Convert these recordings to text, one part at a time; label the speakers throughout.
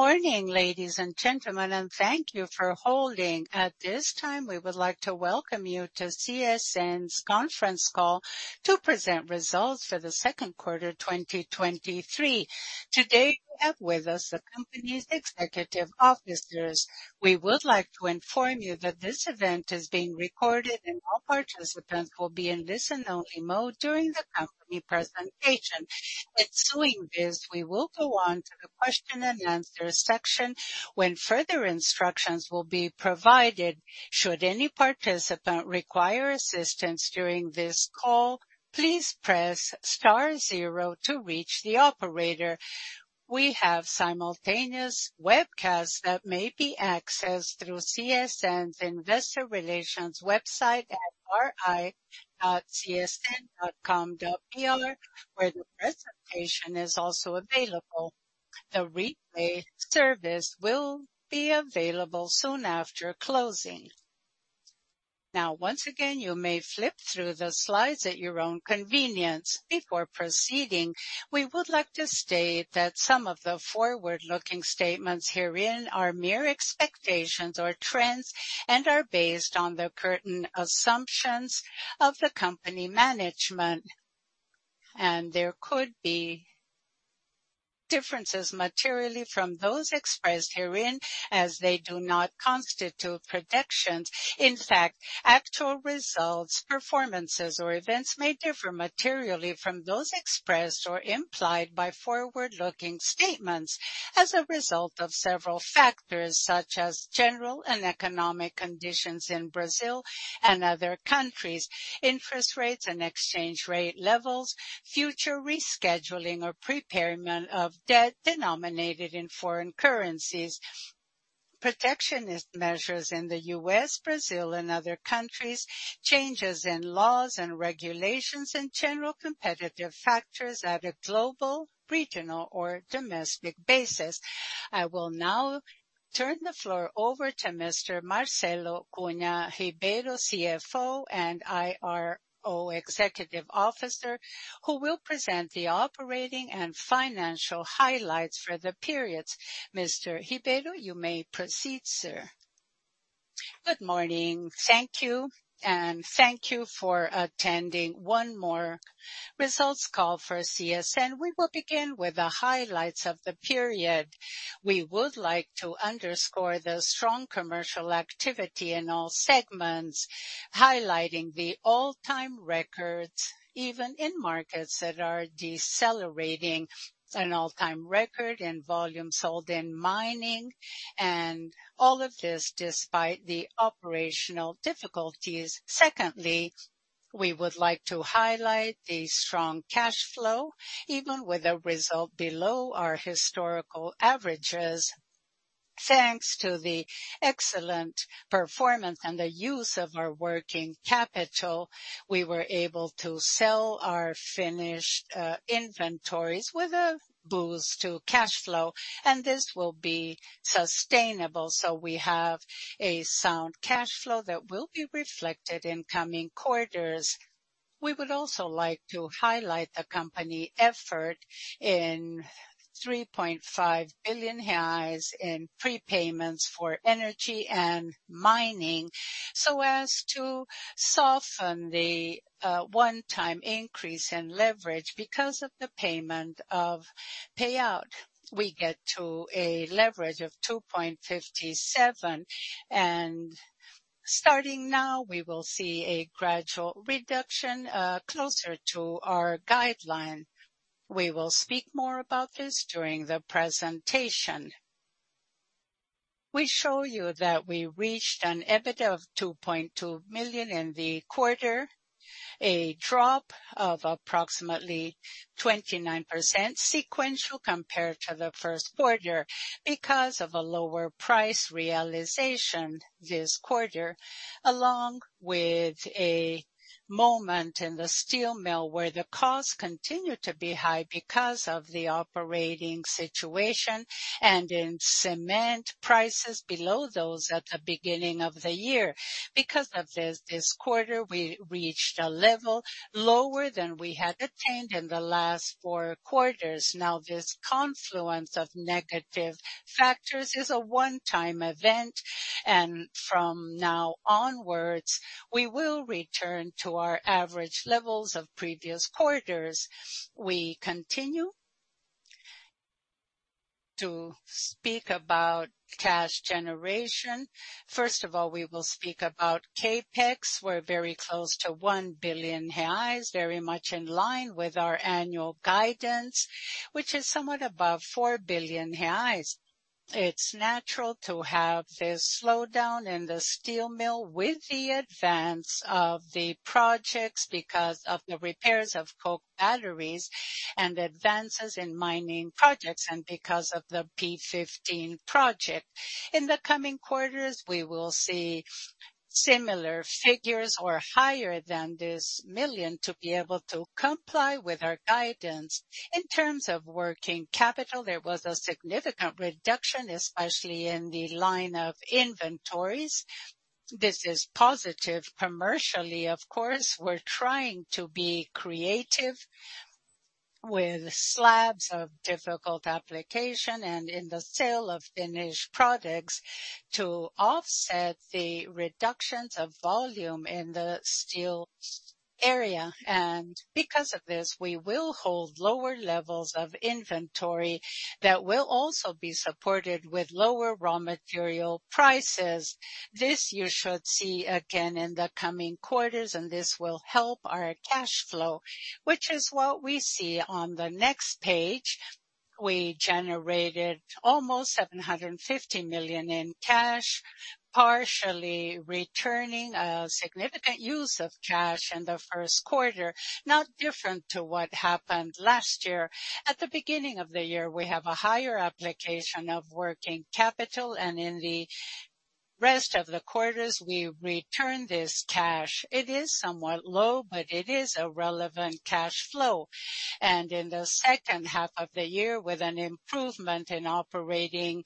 Speaker 1: Good morning, ladies and gentlemen, thank you for holding. At this time, we would like to welcome you to CSN's conference call to present results for the second quarter 2023. Today, we have with us the company's executive officers. We would like to inform you that this event is being recorded. All participants will be in listen only mode during the company presentation. Ensuing this, we will go on to the question and answer section, when further instructions will be provided. Should any participant require assistance during this call, please press star zero to reach the operator. We have simultaneous webcast that may be accessed through CSN's investor relations website at ri.csn.com.br, where the presentation is also available. The replay service will be available soon after closing. Once again, you may flip through the slides at your own convenience. Before proceeding, we would like to state that some of the forward-looking statements herein are mere expectations or trends and are based on the current assumptions of the company management, and there could be differences materially from those expressed herein as they do not constitute predictions. In fact, actual results, performances, or events may differ materially from those expressed or implied by forward looking statements as a result of several factors, such as general and economic conditions in Brazil and other countries, interest rates and exchange rate levels, future rescheduling or prepayment of debt denominated in foreign currencies, protectionist measures in the U.S., Brazil, and other countries, changes in laws and regulations, and general competitive factors at a global, regional, or domestic basis. I will now turn the floor over to Mr. Marcelo Cunha Ribeiro, CFO and IRO Executive Officer, who will present the operating and financial highlights for the periods. Mr. Ribeiro, you may proceed, sir.
Speaker 2: Good morning. Thank you, and thank you for attending one more results call for CSN. We will begin with the highlights of the period. We would like to underscore the strong commercial activity in all segments, highlighting the all-time records, even in markets that are decelerating, an all-time record in volume sold in mining, and all of this despite the operational difficulties. Secondly, we would like to highlight the strong cash flow, even with a result below our historical averages. Thanks to the excellent performance and the use of our working capital, we were able to sell our finished inventories with a boost to cash flow, and this will be sustainable. We have a sound cash flow that will be reflected in coming quarters. We would also like to highlight the company effort in 3.5 billion in prepayments for energy and mining, so as to soften the one-time increase in leverage. Because of the payment of payout, we get to a leverage of 2.57, and starting now, we will see a gradual reduction closer to our guideline. We will speak more about this during the presentation. We show you that we reached an EBITDA of 2.2 million in the quarter, a drop of approximately 29% sequential compared to the first quarter because of a lower price realization this quarter, along with a moment in the steel mill where the costs continue to be high because of the operating situation and in cement prices below those at the beginning of the year. This quarter, we reached a level lower than we had attained in the last four quarters. This confluence of negative factors is a one-time event, from now onwards, we will return to our average levels of previous quarters. We continue to speak about cash generation. First of all, we will speak about CapEx. We're very close to 1 billion reais, very much in line with our annual guidance, which is somewhat above 4 billion reais. It's natural to have this slowdown in the steel mill with the advance of the projects because of the repairs of coke batteries and advances in mining projects and because of the P-15 project. In the coming quarters, we will see similar figures or higher than this million to be able to comply with our guidance. In terms of working capital, there was a significant reduction, especially in the line of inventories. This is positive commercially, of course. We're trying to be creative with slabs of difficult application and in the sale of finished products to offset the reductions of volume in the steel area. Because of this, we will hold lower levels of inventory that will also be supported with lower raw material prices. This you should see again in the coming quarters, and this will help our cash flow, which is what we see on the next page. We generated almost 750 million in cash, partially returning a significant use of cash in the first quarter, not different to what happened last year. At the beginning of the year, we have a higher application of working capital, and in the rest of the quarters, we return this cash. It is somewhat low, but it is a relevant cash flow. In the second half of the year, with an improvement in operating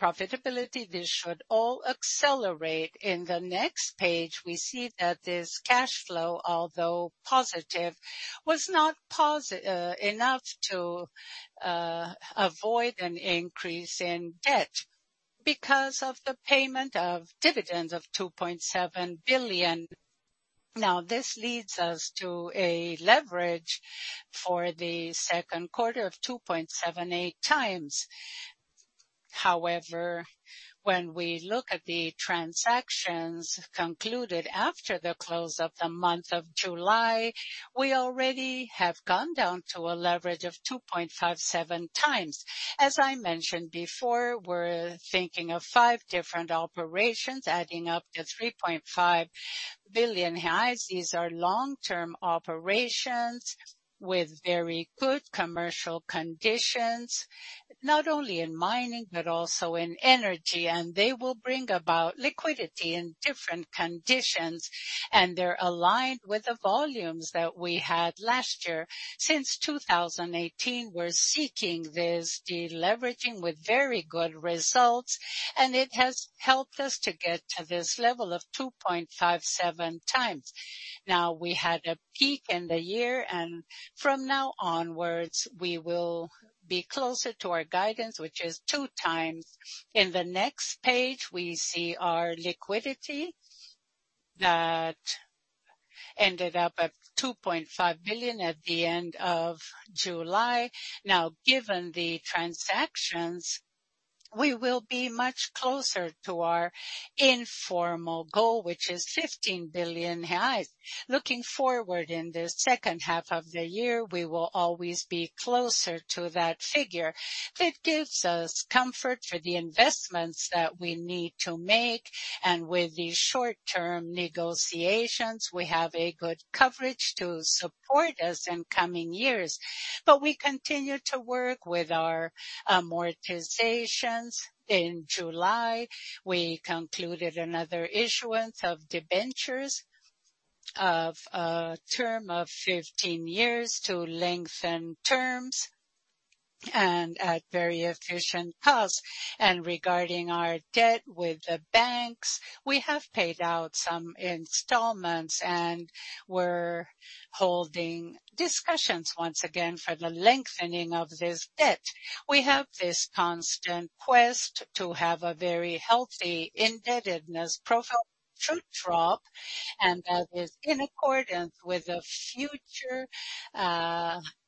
Speaker 2: profitability, this should all accelerate. In the next page, we see that this cash flow, although positive, was not enough to avoid an increase in debt because of the payment of dividends of 2.7 billion. This leads us to a leverage for the second quarter of 2.78x. When we look at the transactions concluded after the close of the month of July, we already have gone down to a leverage of 2.57x. As I mentioned before, we're thinking of five different operations, adding up to 3.5 billion. These are long-term operations with very good commercial conditions, not only in mining, but also in energy. They will bring about liquidity in different conditions. They're aligned with the volumes that we had last year. Since 2018, we're seeking this deleveraging with very good results. It has helped us to get to this level of 2.57x. Now, we had a peak in the year. From now onwards, we will be closer to our guidance, which is 2x. In the next page, we see our liquidity that ended up at 2.5 billion at the end of July. Now, given the transactions, we will be much closer to our informal goal, which is 15 billion reais. Looking forward in the second half of the year, we will always be closer to that figure. It gives us comfort for the investments that we need to make, and with the short term negotiations, we have a good coverage to support us in coming years. We continue to work with our amortizations. In July, we concluded another issuance of debentures of a term of 15 years to lengthen terms and at very efficient costs. Regarding our debt with the banks, we have paid out some installments, and we're holding discussions once again for the lengthening of this debt. We have this constant quest to have a very healthy indebtedness profile through drop, and that is in accordance with the future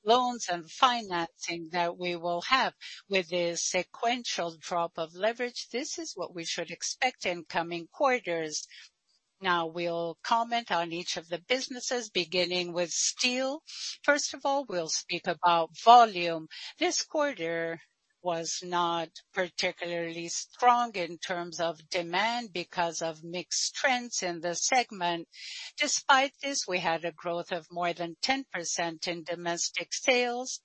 Speaker 2: loans and financing that we will have. With the sequential drop of leverage, this is what we should expect in coming quarters. Now, we'll comment on each of the businesses, beginning with steel. First of all, we'll speak about volume. This quarter was not particularly strong in terms of demand because of mixed trends in the segment. Despite this, we had a growth of more than 10% in domestic sales.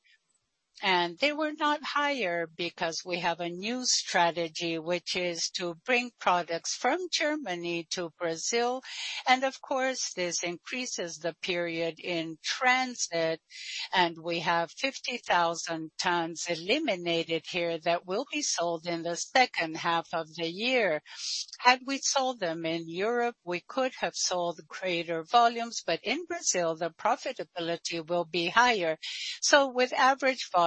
Speaker 2: They were not higher because we have a new strategy, which is to bring products from Germany to Brazil. Of course, this increases the period in transit, and we have 50,000 tons eliminated here that will be sold in the second half of the year. Had we sold them in Europe, we could have sold greater volumes, but in Brazil, the profitability will be higher. With average volumes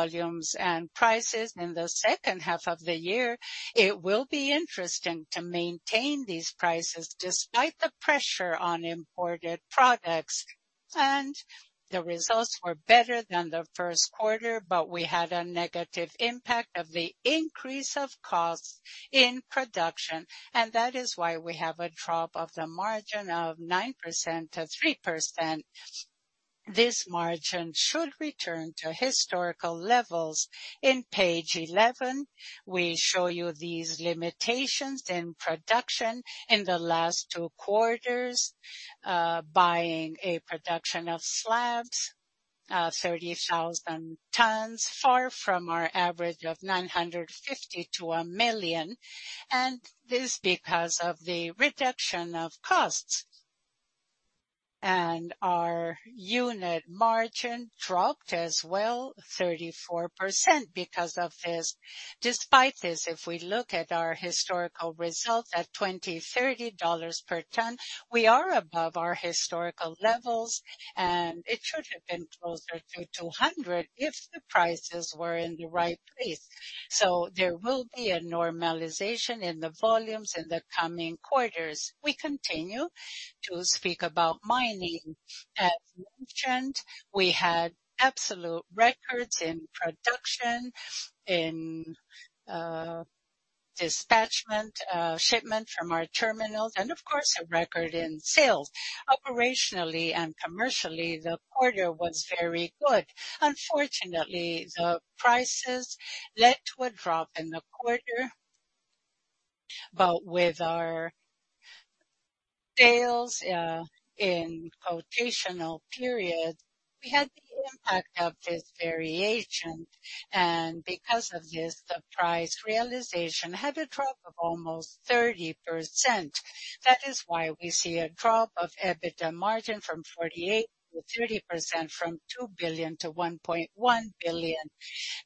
Speaker 2: and prices in the second half of the year, it will be interesting to maintain these prices despite the pressure on imported products. The results were better than the first quarter, but we had a negative impact of the increase of costs in production, and that is why we have a drop of the margin of 9%-3%. This margin should return to historical levels. In page 11, we show you these limitations in production in the last two quarters, buying a production of slabs, 30,000 tons, far from our average of 950,000-1 million tons, and this because of the reduction of costs. Our unit margin dropped as well, 34% because of this. Despite this, if we look at our historical results at $20-$30 per ton, we are above our historical levels, and it should have been closer to $200 if the prices were in the right place. There will be a normalization in the volumes in the coming quarters. We continue to speak about mining. As mentioned, we had absolute records in production, in dispatchment, shipment from our terminals, and of course, a record in sales. Operationally and commercially, the quarter was very good. Unfortunately, the prices led to a drop in the quarter, but with our sales in quotational period, we had the impact of this variation, and because of this, the price realization had a drop of almost 30%. That is why we see a drop of EBITDA margin from 48%-30%, from 2 billion-1.1 billion.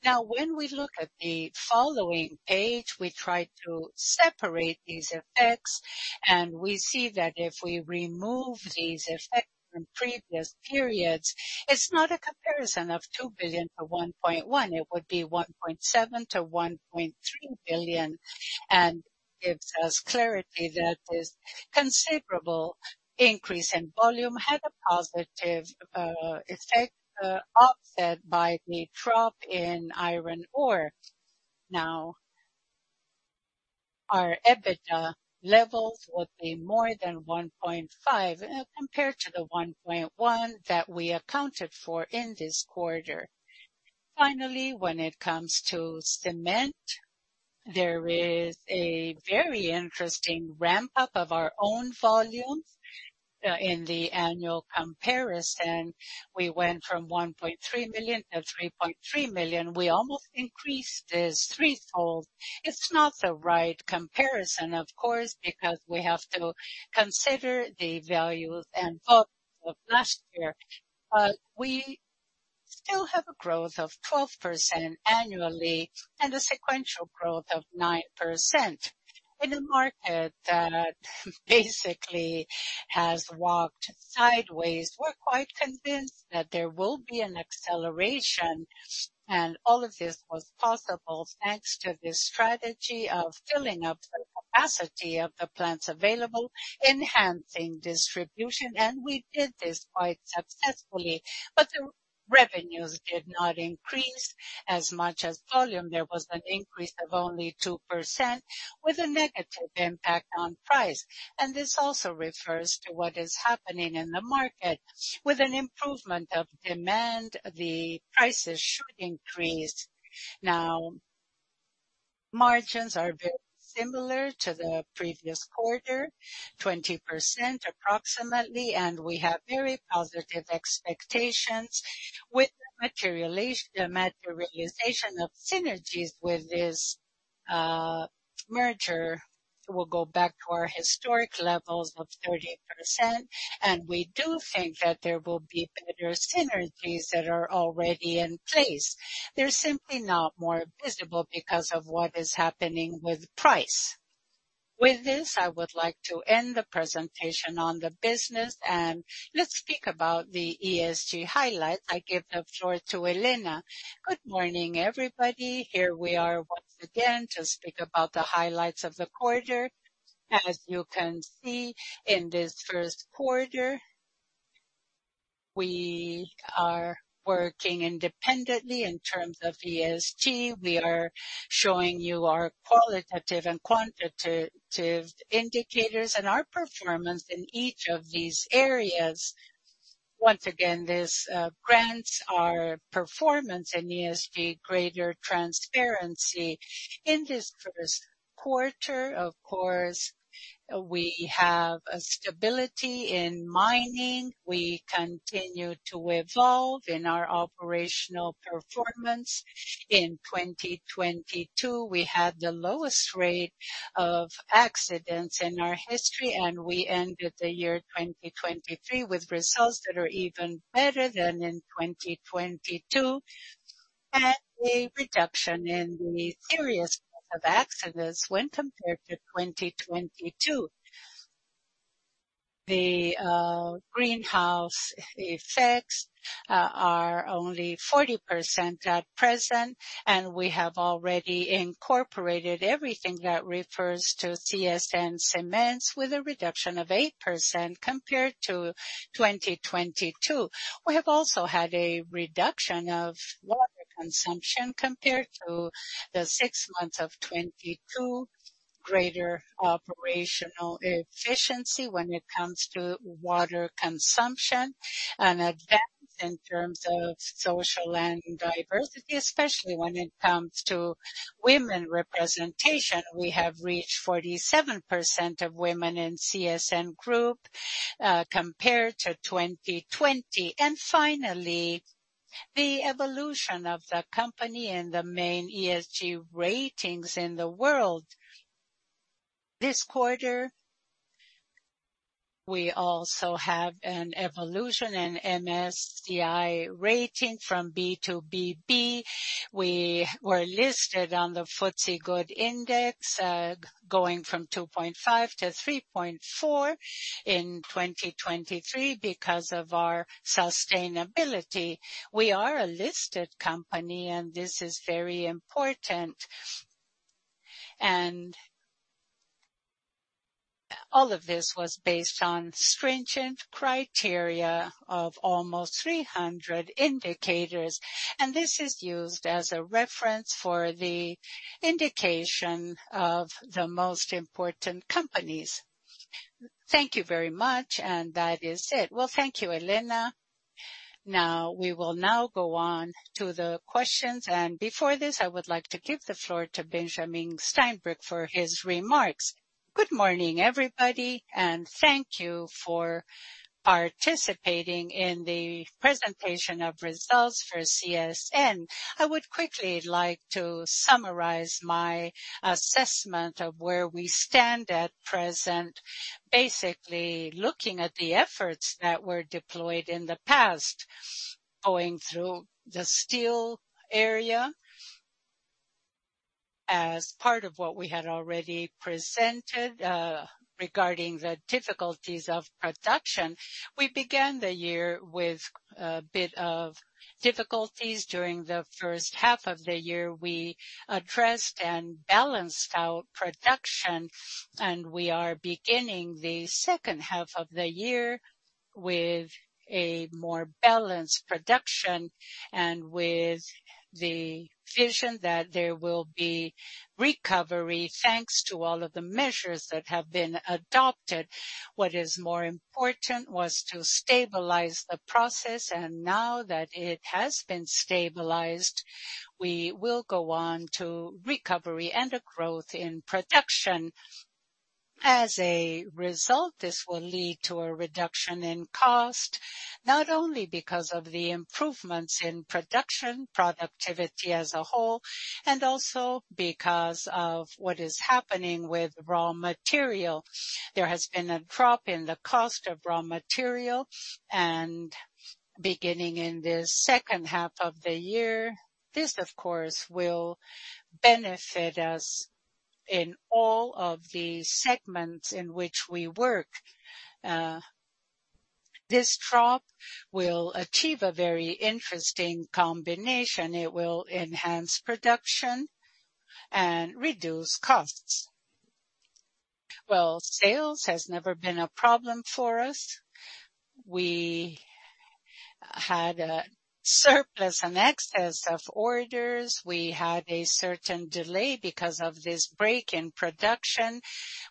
Speaker 2: When we look at the following page, we try to separate these effects, and we see that if we remove these effects from previous periods, it's not a comparison of 2 billion-1.1 billion, it would be 1.7 billion-1.3 billion. It gives us clarity that this considerable increase in volume had a positive, effect, offset by the drop in iron ore. Our EBITDA levels would be more than 1.5 billion, compared to the 1.1 billion that we accounted for in this quarter. Finally, when it comes to cement, there is a very interesting ramp-up of our own volume. In the annual comparison, we went from 1.3 million-3.3 million. We almost increased this threefold. It's not the right comparison, of course, because we have to consider the values and volume of last year. We still have a growth of 12% annually and a sequential growth of 9% in a market that basically has walked sideways. We're quite convinced that there will be an acceleration, and all of this was possible, thanks to the strategy of filling up the capacity of the plants available, enhancing distribution, and we did this quite successfully. The revenues did not increase as much as volume. There was an increase of only 2% with a negative impact on price, and this also refers to what is happening in the market. With an improvement of demand, the prices should increase. Margins are very similar to the previous quarter, 20% approximately, and we have very positive expectations. With materialization, the materialization of synergies with this merger, we'll go back to our historic levels of 30%, and we do think that there will be better synergies that are already in place. They're simply not more visible because of what is happening with price. With this, I would like to end the presentation on the business and let's speak about the ESG highlight. I give the floor to Helena.
Speaker 3: Good morning, everybody. Here we are once again to speak about the highlights of the quarter. As you can see, in this first quarter, we are working independently in terms of ESG. We are showing you our qualitative and quantitative indicators and our performance in each of these areas. Once again, this grants our performance in ESG, greater transparency. In this first quarter, of course, we have a stability in mining. We continue to evolve in our operational performance. In 2022, we had the lowest rate of accidents in our history, and we ended the year 2023 with results that are even better than in 2022, and a reduction in the seriousness of accidents when compared to 2022. The greenhouse effects are only 40% at present, and we have already incorporated everything that refers to CSN Cimentos with a reduction of 8% compared to 2022. We have also had a reduction of water consumption compared to the six months of 2022. Greater operational efficiency when it comes to water consumption and advance in terms of social and diversity, especially when it comes to women representation. We have reached 47% of women in CSN Group compared to 2020. Finally, the evolution of the company and the main ESG ratings in the world. This quarter, we also have an evolution in MSCI rating from B to BB. We were listed on the FTSE4Good Index, going from 2.5-3.4 in 2023 because of our sustainability. We are a listed company, and this is very important. All of this was based on stringent criteria of almost 300 indicators, and this is used as a reference for the indication of the most important companies. Thank you very much, and that is it.
Speaker 2: Well, thank you, Helena. We will now go on to the questions, and before this, I would like to give the floor to Benjamin Steinbruch for his remarks.
Speaker 4: Good morning, everybody, and thank you for participating in the presentation of results for CSN. I would quickly like to summarize my assessment of where we stand at present, basically looking at the efforts that were deployed in the past, going through the steel area as part of what we had already presented, regarding the difficulties of production. We began the year with a bit of difficulties. During the first half of the year, we addressed and balanced out production, and we are beginning the second half of the year with a more balanced production and with the vision that there will be recovery, thanks to all of the measures that have been adopted. What is more important was to stabilize the process, and now that it has been stabilized, we will go on to recovery and a growth in production. As a result, this will lead to a reduction in cost, not only because of the improvements in production, productivity as a whole, and also because of what is happening with raw material. There has been a drop in the cost of raw material, and beginning in the second half of the year, this, of course, will benefit us in all of the segments in which we work. This drop will achieve a very interesting combination. It will enhance production and reduce costs. Well, sales has never been a problem for us. We had a surplus and excess of orders. We had a certain delay because of this break in production.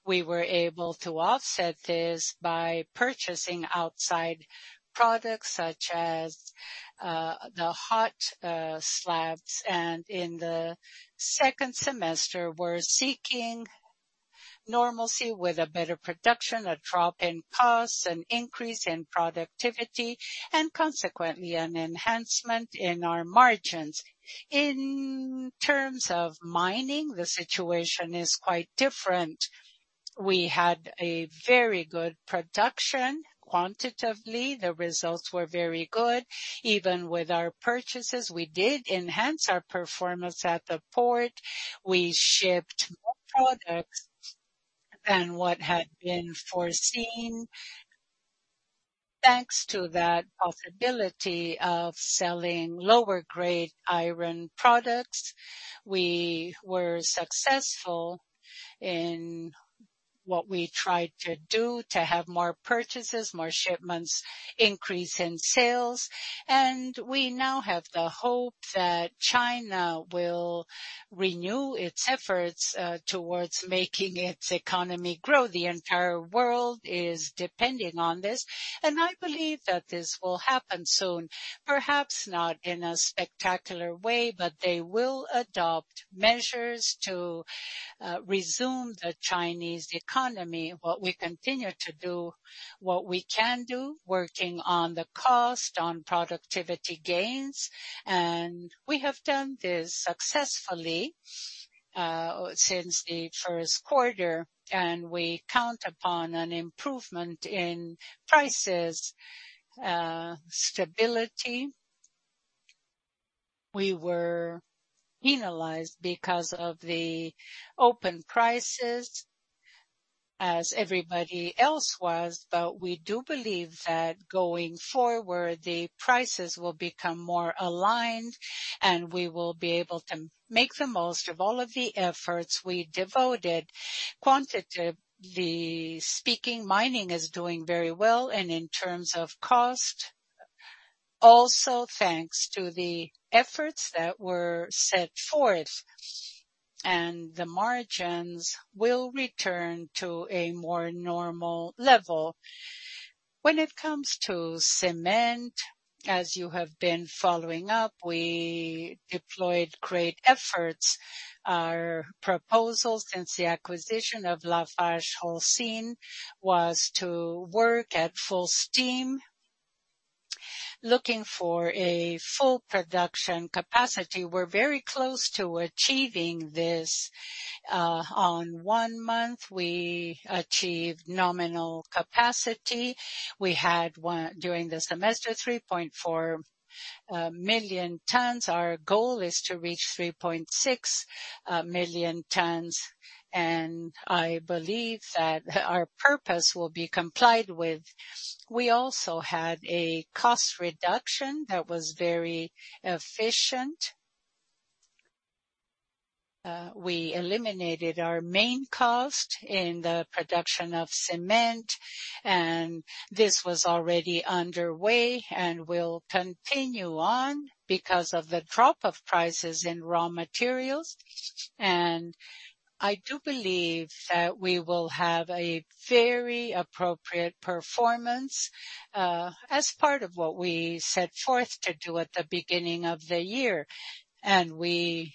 Speaker 4: We were able to offset this by purchasing outside products, such as the hot slabs. In the second semester, we're seeking normalcy with a better production, a drop in costs, an increase in productivity, and consequently, an enhancement in our margins. In terms of mining, the situation is quite different. We had a very good production. Quantitatively, the results were very good. Even with our purchases, we did enhance our performance at the port. We shipped more products than what had been foreseen. Thanks to that possibility of selling lower grade iron products, we were successful in what we tried to do, to have more purchases, more shipments, increase in sales. We now have the hope that China will renew its efforts towards making its economy grow. The entire world is depending on this. I believe that this will happen soon. Perhaps not in a spectacular way, but they will adopt measures to resume the Chinese economy. We continue to do what we can do, working on the cost, on productivity gains, and we have done this successfully since the first quarter, and we count upon an improvement in prices, stability. We were penalized because of the open prices as everybody else was, but we do believe that going forward, the prices will become more aligned, and we will be able to make the most of all of the efforts we devoted. Quantitatively speaking, mining is doing very well and in terms of cost, also thanks to the efforts that were set forth, and the margins will return to a more normal level. When it comes to cement, as you have been following up, we deployed great efforts. Our proposal since the acquisition of LafargeHolcim was to work at full steam. Looking for a full production capacity. We're very close to achieving this. On one month, we achieved nominal capacity. We had during the semester, 3.4 million tons. Our goal is to reach 3.6 million tons. I believe that our purpose will be complied with. We also had a cost reduction that was very efficient. We eliminated our main cost in the production of cement. This was already underway and will continue on because of the drop of prices in raw materials. I do believe that we will have a very appropriate performance as part of what we set forth to do at the beginning of the year. We,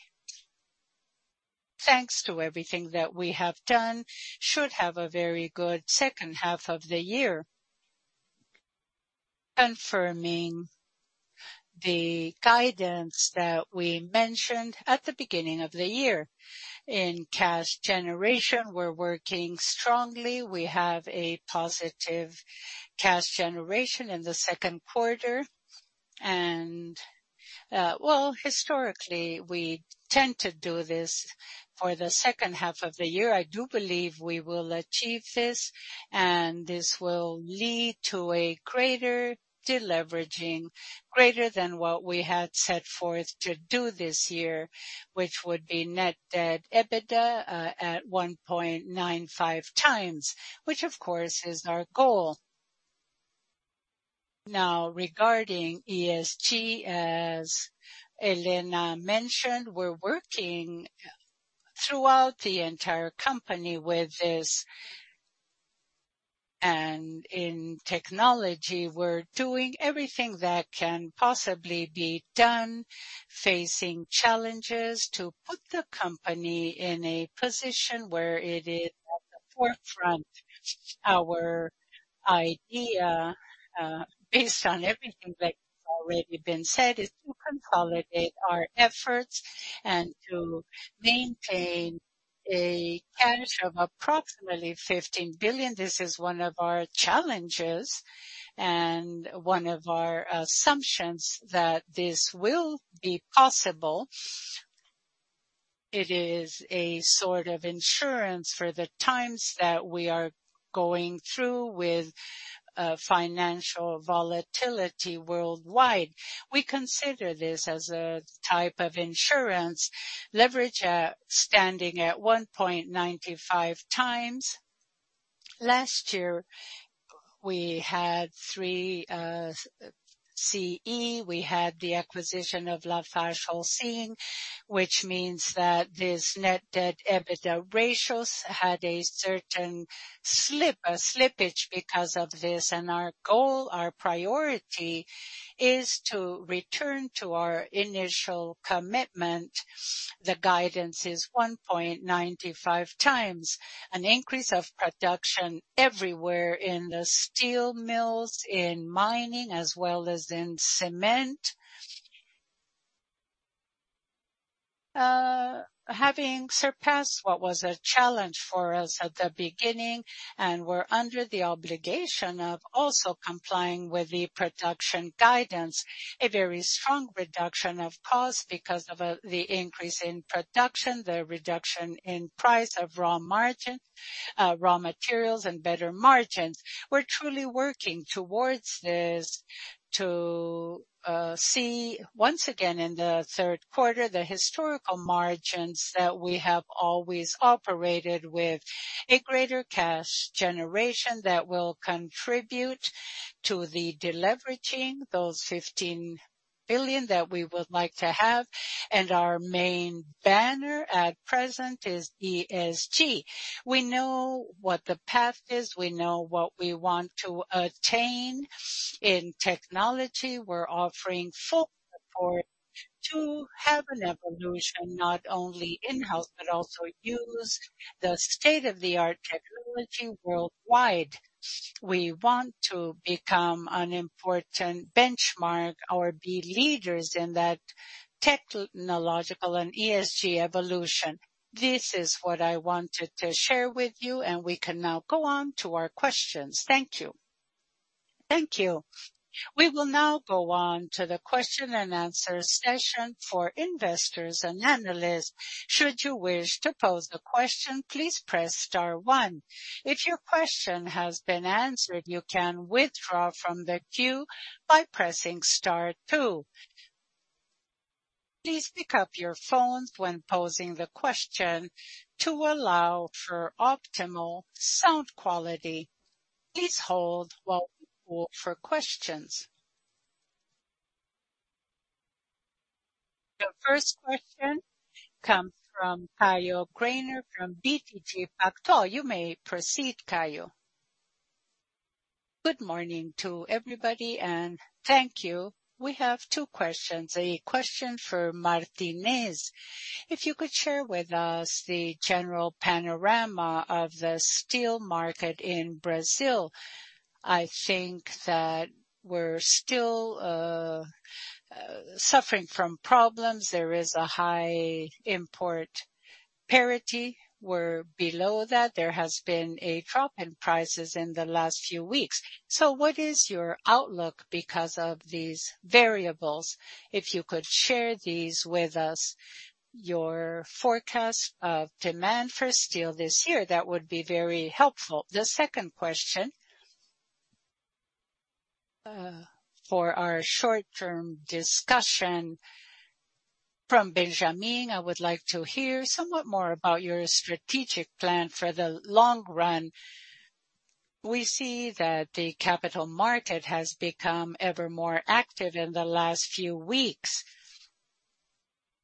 Speaker 4: thanks to everything that we have done, should have a very good second half of the year. Confirming the guidance that we mentioned at the beginning of the year. In cash generation, we're working strongly. We have a positive cash generation in the second quarter, and, well, historically, we tend to do this for the second half of the year. I do believe we will achieve this, and this will lead to a greater deleveraging, greater than what we had set forth to do this year, which would be net debt/EBITDA at 1.95x, which of course, is our goal. Now, regarding ESG, as Helena mentioned, we're working throughout the entire company with this, and in technology, we're doing everything that can possibly be done, facing challenges to put the company in a position where it is at the forefront. Our idea, based on everything that has already been said, is to consolidate our efforts and to maintain a cash of approximately 15 billion. This is one of our challenges and one of our assumptions that this will be possible. It is a sort of insurance for the times that we are going through with financial volatility worldwide. We consider this as a type of insurance leverage, standing at 1.95x. Last year, we had 3 CE. We had the acquisition of LafargeHolcim, which means that this net debt/EBITDA ratios had a certain slip, a slippage because of this, and our goal, our priority, is to return to our initial commitment. The guidance is 1.95x an increase of production everywhere in the steel mills, in mining, as well as in cement. Having surpassed what was a challenge for us at the beginning, and we're under the obligation of also complying with the production guidance, a very strong reduction of cost because of the increase in production, the reduction in price of raw margin, raw materials, and better margins. We're truly working towards this to see once again, in the third quarter, the historical margins that we have always operated with a greater cash generation that will contribute to the deleveraging, those $15 billion that we would like to have. Our main banner at present is ESG. We know what the path is. We know what we want to attain. In technology, we're offering full support to have an evolution, not only in-house, but also use the state-of-the-art technology worldwide. We want to become an important benchmark or be leaders in that technological and ESG evolution. This is what I wanted to share with you. We can now go on to our questions. Thank you.
Speaker 1: Thank you. We will now go on to the question and answer session for investors and analysts. Should you wish to pose a question, please press star one. If your question has been answered, you can withdraw from the queue by pressing star two. Please pick up your phones when posing the question to allow for optimal sound quality. Please hold while we look for questions. The first question comes from Caio Greiner from BTG Pactual. You may proceed, Caio.
Speaker 5: Good morning to everybody. Thank you. We have two questions. A question for Martinez. If you could share with us the general panorama of the steel market in Brazil. I think that we're still suffering from problems. There is a high import parity. We're below that. There has been a drop in prices in the last few weeks. What is your outlook because of these variables? If you could share these with us, your forecast of demand for steel this year, that would be very helpful. The second question, for our short-term discussion from Benjamin, I would like to hear somewhat more about your strategic plan for the long run. We see that the capital market has become ever more active in the last few weeks,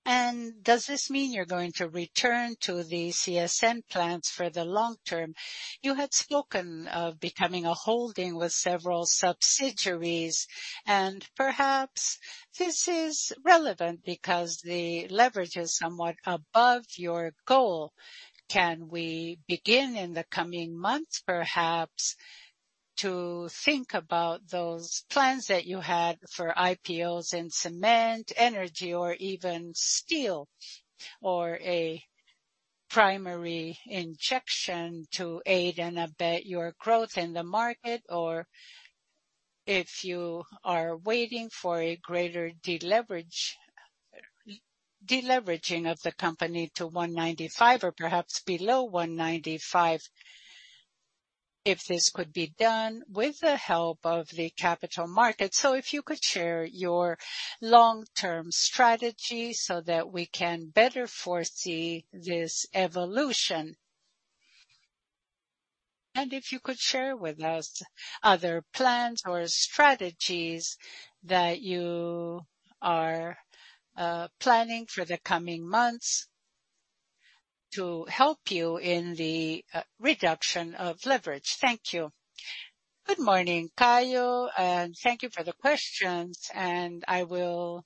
Speaker 5: and does this mean you're going to return to the CSN plans for the long term? You had spoken of becoming a holding with several subsidiaries, and perhaps this is relevant because the leverage is somewhat above your goal. Can we begin in the coming months, perhaps, to think about those plans that you had for IPOs in cement, energy, or even steel, or a primary injection to aid and abet your growth in the market? If you are waiting for a greater deleverage, de-leveraging of the company to 1.95 or perhaps below 1.95, if this could be done with the help of the capital market. If you could share your long-term strategy so that we can better foresee this evolution. If you could share with us other plans or strategies that you are planning for the coming months to help you in the reduction of leverage. Thank you.
Speaker 6: Good morning, Caio, and thank you for the questions. I will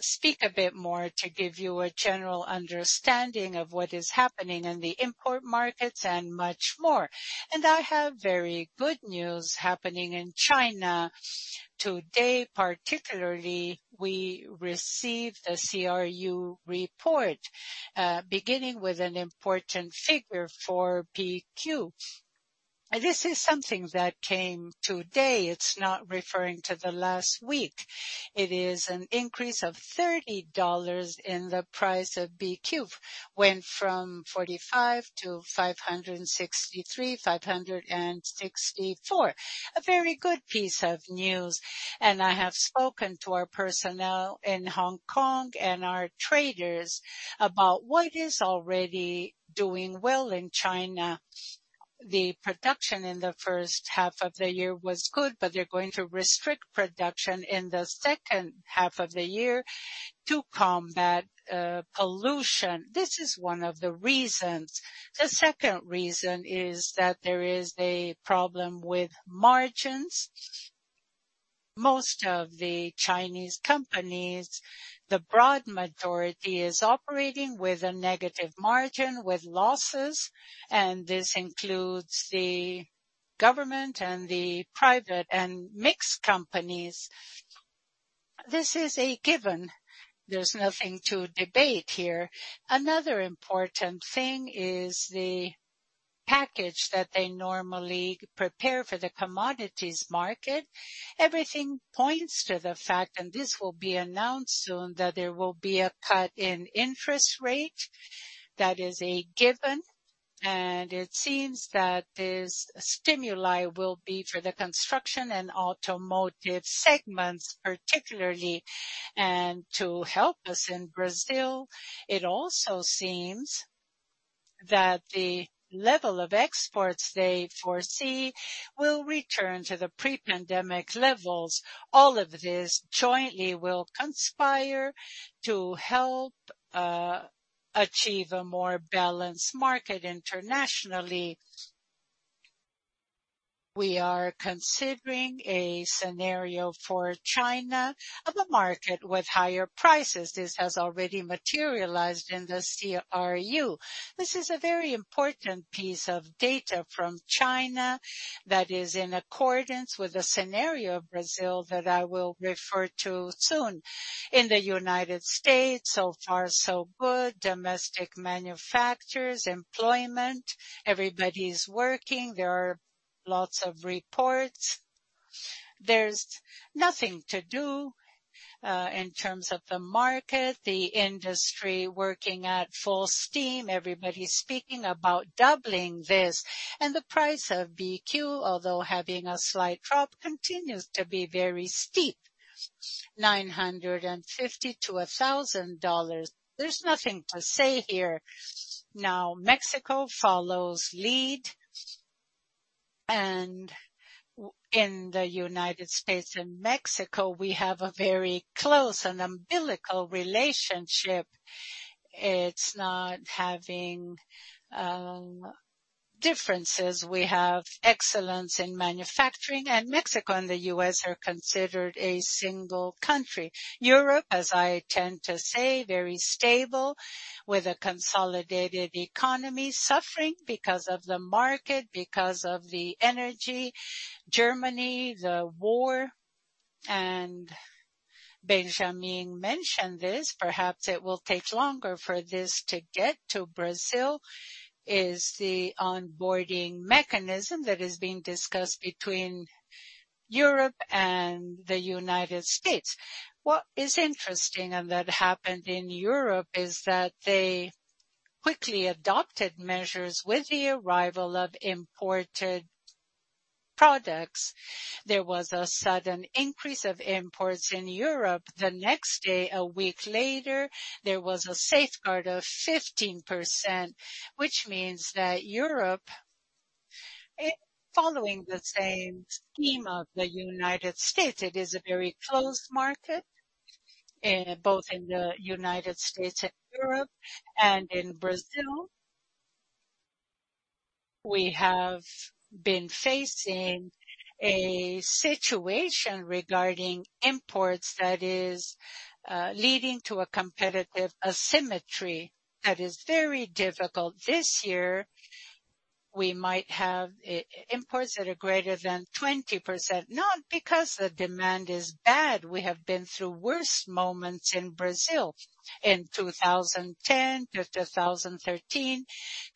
Speaker 6: speak a bit more to give you a general understanding of what is happening in the import markets and much more. I have very good news happening in China. Today, particularly, we received a CRU report, beginning with an important figure for BQ. This is something that came today. It's not referring to the last week. It is an increase of $30 in the price of BQ. Went from $45-$563 and $564. A very good piece of news, and I have spoken to our personnel in Hong Kong and our traders about what is already doing well in China. The production in the first half of the year was good, but they're going to restrict production in the second half of the year to combat pollution. This is one of the reasons. The second reason is that there is a problem with margins. Most of the Chinese companies, the broad majority, is operating with a negative margin, with losses, and this includes the government and the private and mixed companies. This is a given. There's nothing to debate here. Another important thing is the package that they normally prepare for the commodities market. Everything points to the fact, and this will be announced soon, that there will be a cut in interest rate. That is a given, and it seems that this stimuli will be for the construction and automotive segments, particularly. To help us in Brazil, it also seems that the level of exports they foresee will return to the pre-pandemic levels. All of this jointly will conspire to help achieve a more balanced market internationally. We are considering a scenario for China of a market with higher prices. This has already materialized in the CRU. This is a very important piece of data from China that is in accordance with the scenario of Brazil that I will refer to soon. In the United States, so far so good. Domestic manufacturers, employment, everybody's working. There are lots of reports. There's nothing to do in terms of the market, the industry working at full steam. Everybody's speaking about doubling this, and the price of BQ, although having a slight drop, continues to be very steep, $950-$1,000. There's nothing to say here. Mexico follows lead, and in the United States and Mexico, we have a very close and umbilical relationship. It's not having differences. We have excellence in manufacturing, and Mexico and the US are considered a single country. Europe, as I tend to say, very stable, with a consolidated economy suffering because of the market, because of the energy. Germany, the war, Benjamin mentioned this, perhaps it will take longer for this to get to Brazil, is the onboarding mechanism that is being discussed between Europe and the United States. What is interesting, that happened in Europe, is that they quickly adopted measures with the arrival of imported products. There was a sudden increase of imports in Europe. The next day, a week later, there was a safeguard of 15%, which means that Europe, following the same scheme of the United States, it is a very closed market, both in the United States and Europe. In Brazil, we have been facing a situation regarding imports that is leading to a competitive asymmetry that is very difficult. This year, we might have imports that are greater than 20%, not because the demand is bad. We have been through worse moments in Brazil. In 2010 to 2013,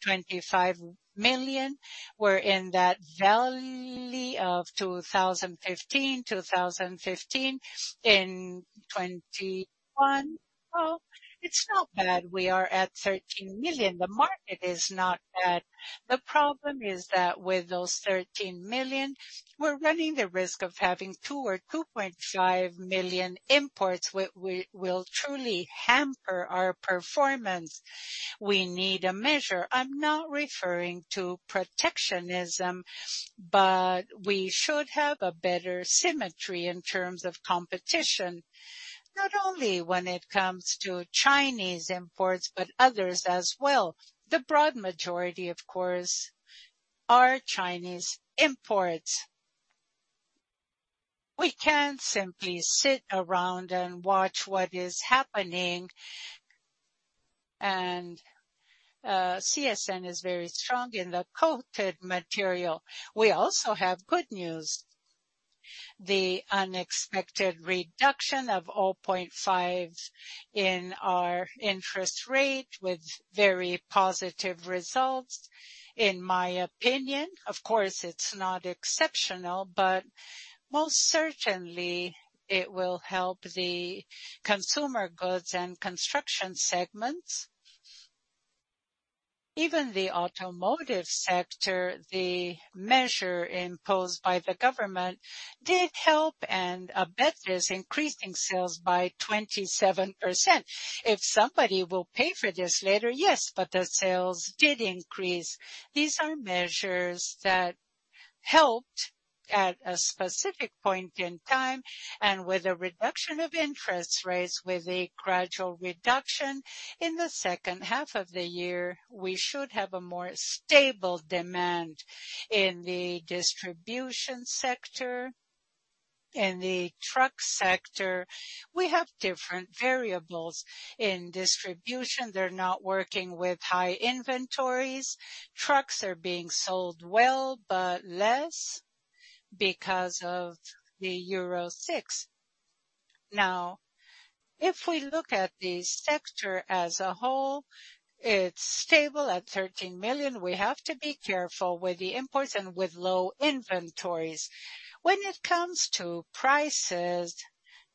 Speaker 6: 25 million were in that valley of 2015. 2015, in 21, it's not bad. We are at 13 million. The market is not bad. The problem is that with those 13 million, we're running the risk of having 2 million or 2.5 million imports, will truly hamper our performance. We need a measure. I'm not referring to protectionism, but we should have a better symmetry in terms of competition, not only when it comes to Chinese imports, but others as well. The broad majority, of course, are Chinese imports. We can't simply sit around and watch what is happening. CSN is very strong in the coated material. We also have good news. The unexpected reduction of 0.5 in our interest rate, with very positive results, in my opinion. Of course, it's not exceptional, but most certainly it will help the consumer goods and construction segments. Even the automotive sector, the measure imposed by the government did help and abet this increase in sales by 27%. If somebody will pay for this later, yes, but the sales did increase. These are measures that helped at a specific point in time and with a reduction of interest rates, with a gradual reduction in the second half of the year, we should have a more stable demand. In the distribution sector, in the truck sector, we have different variables. In distribution, they're not working with high inventories. Trucks are being sold well, less because of the Euro VI. Now, if we look at the sector as a whole, it's stable at 13 million. We have to be careful with the imports and with low inventories. When it comes to prices,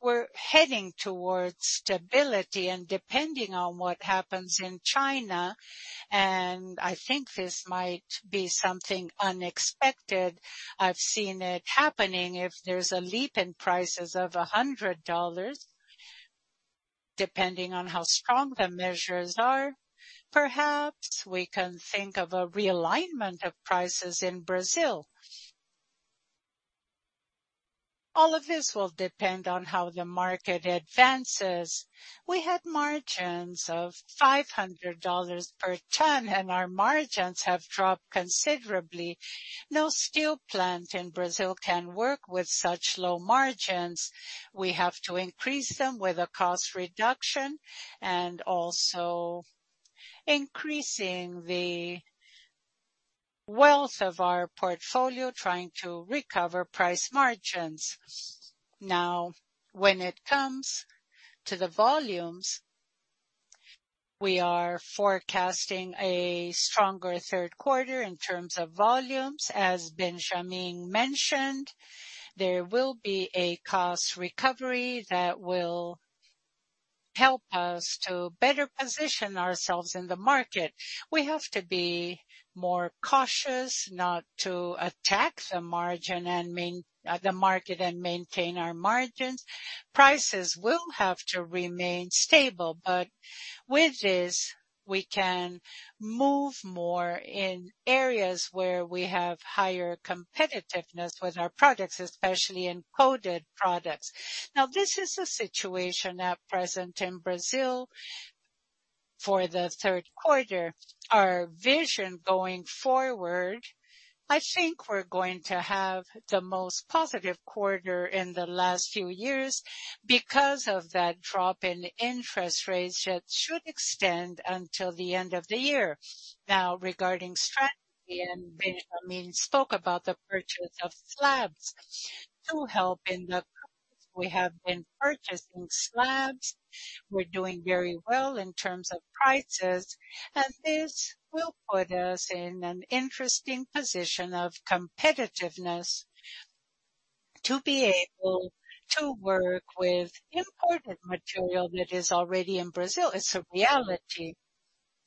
Speaker 6: we're heading towards stability and depending on what happens in China, and I think this might be something unexpected, I've seen it happening. If there's a leap in prices of $100, depending on how strong the measures are, perhaps we can think of a realignment of prices in Brazil. All of this will depend on how the market advances. We had margins of $500 per ton, and our margins have dropped considerably. No steel plant in Brazil can work with such low margins. We have to increase them with a cost reduction and also increasing the wealth of our portfolio, trying to recover price margins. When it comes to the volumes, we are forecasting a stronger third quarter in terms of volumes. As Benjamin mentioned, there will be a cost recovery that will help us to better position ourselves in the market. We have to be more cautious not to attack the margin and the market and maintain our margins. Prices will have to remain stable, but with this, we can move more in areas where we have higher competitiveness with our products, especially in coated products. Now, this is the situation at present in Brazil. For the 3rd quarter, our vision going forward, I think we're going to have the most positive quarter in the last few years because of that drop in interest rates that should extend until the end of the year. Now, regarding strategy, and Benjamin spoke about the purchase of slabs. To help in the, we have been purchasing slabs. We're doing very well in terms of prices, and this will put us in an interesting position of competitiveness to be able to work with imported material that is already in Brazil. It's a reality.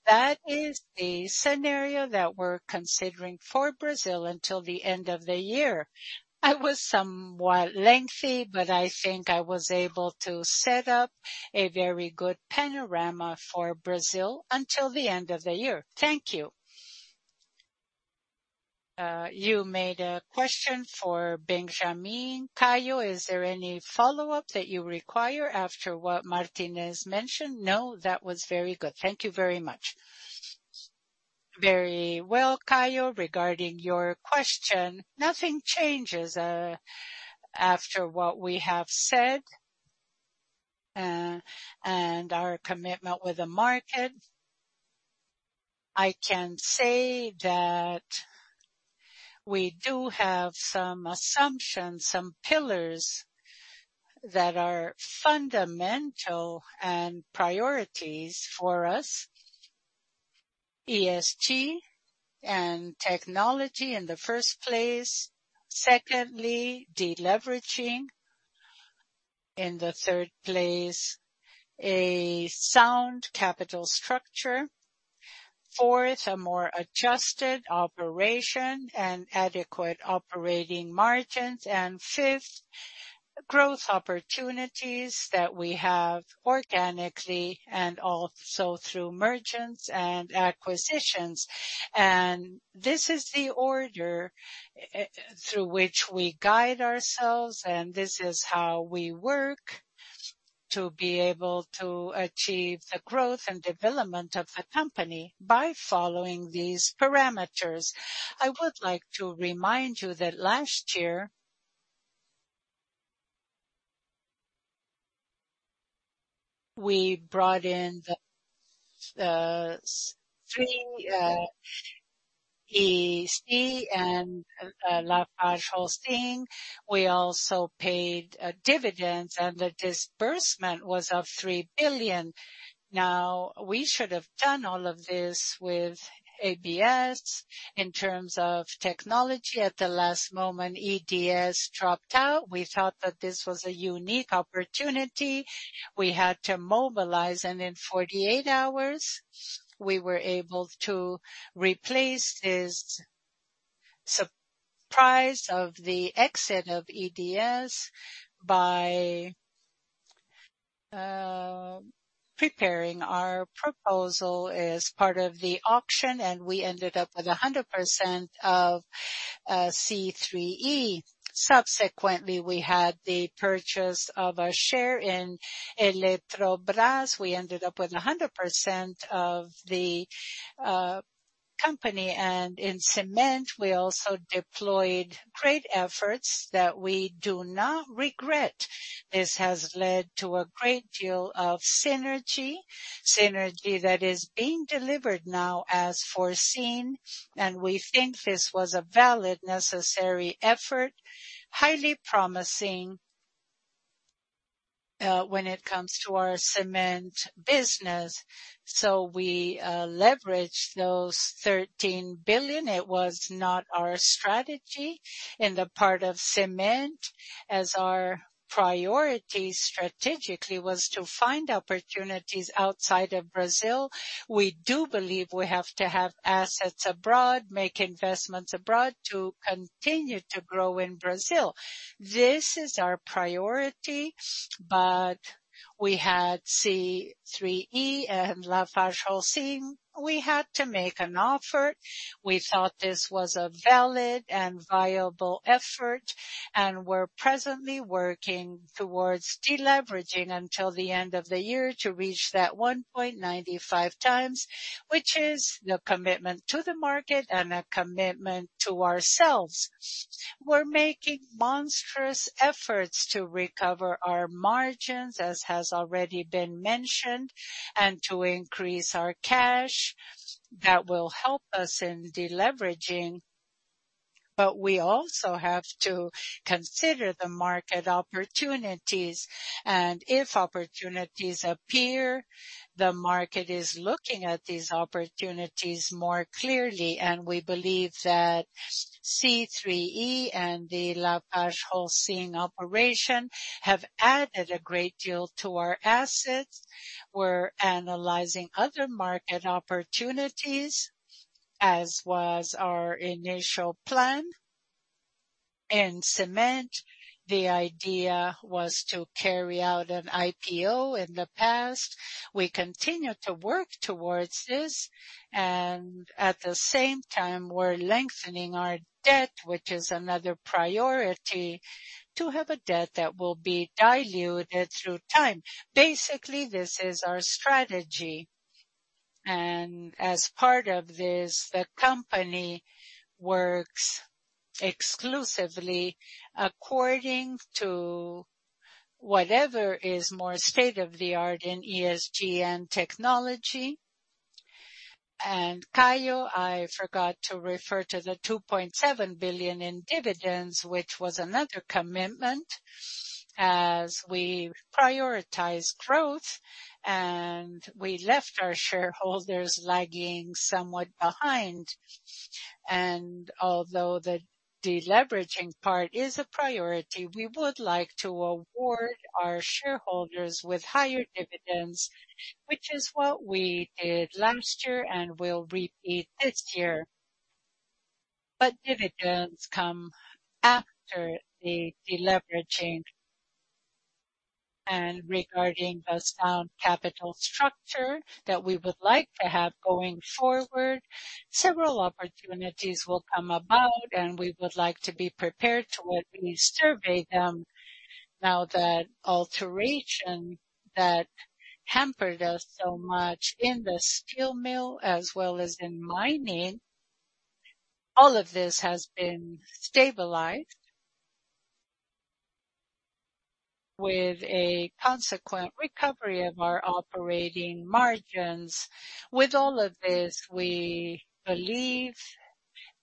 Speaker 6: That is the scenario that we're considering for Brazil until the end of the year. I was somewhat lengthy, but I think I was able to set up a very good panorama for Brazil until the end of the year. Thank you.
Speaker 1: You made a question for Benjamin, Caio. Is there any follow-up that you require after what Martinez mentioned?
Speaker 5: No, that was very good. Thank you very much.
Speaker 4: Very well, Caio, regarding your question, nothing changes after what we have said and our commitment with the market. I can say that we do have some assumptions, some pillars that are fundamental and priorities for us. ESG and technology in the first place. Secondly, deleveraging. In the third place, a sound capital structure. Fourth, a more adjusted operation and adequate operating margins. And fifth, growth opportunities that we have organically and also through merchants and acquisitions. And this is the order through which we guide ourselves, and this is how we work to be able to achieve the growth and development of the company by following these parameters. I would like to remind you that last year, we brought in the three C and LafargeHolcim. We also paid dividends, and the disbursement was of $3 billion. We should have done all of this with ABS in terms of technology. At the last moment, EDS dropped out. We thought that this was a unique opportunity. We had to mobilize, and in 48 hours, we were able to replace this surprise of the exit of EDS by preparing our proposal as part of the auction, and we ended up with 100% of C3E. We had the purchase of a share in Eletrobras. We ended up with 100% of the company. In cement, we also deployed great efforts that we do not regret. This has led to a great deal of synergy, synergy that is being delivered now as foreseen. We think this was a valid, necessary effort, highly promising, when it comes to our cement business. We leveraged those 13 billion. It was not our strategy in the part of cement, as our priority strategically was to find opportunities outside of Brazil. We do believe we have to have assets abroad, make investments abroad to continue to grow in Brazil. This is our priority. We had C3E and LafargeHolcim. We had to make an offer. We thought this was a valid and viable effort, and we're presently working towards deleveraging until the end of the year to reach that 1.95 times, which is the commitment to the market and a commitment to ourselves. We're making monstrous efforts to recover our margins, as has already been mentioned, and to increase our cash. That will help us in deleveraging, but we also have to consider the market opportunities, and if opportunities appear, the market is looking at these opportunities more clearly. We believe that C3E and the LafargeHolcim operation have added a great deal to our assets. We're analyzing other market opportunities, as was our initial plan. In cement, the idea was to carry out an IPO in the past. We continue to work towards this, and at the same time, we're lengthening our debt, which is another priority, to have a debt that will be diluted through time. Basically, this is our strategy. As part of this, the company works exclusively according to whatever is more state-of-the-art in ESG and technology. Caio, I forgot to refer to the 2.7 billion in dividends, which was another commitment as we prioritize growth, and we left our shareholders lagging somewhat behind. Although the deleveraging part is a priority, we would like to award our shareholders with higher dividends, which is what we did last year and will repeat this year. Dividends come after the deleveraging. Regarding the sound capital structure that we would like to have going forward, several opportunities will come about, and we would like to be prepared to at least survey them. Now, that alteration that hampered us so much in the steel mill as well as in mining, all of this has been stabilized with a consequent recovery of our operating margins. With all of this, we believe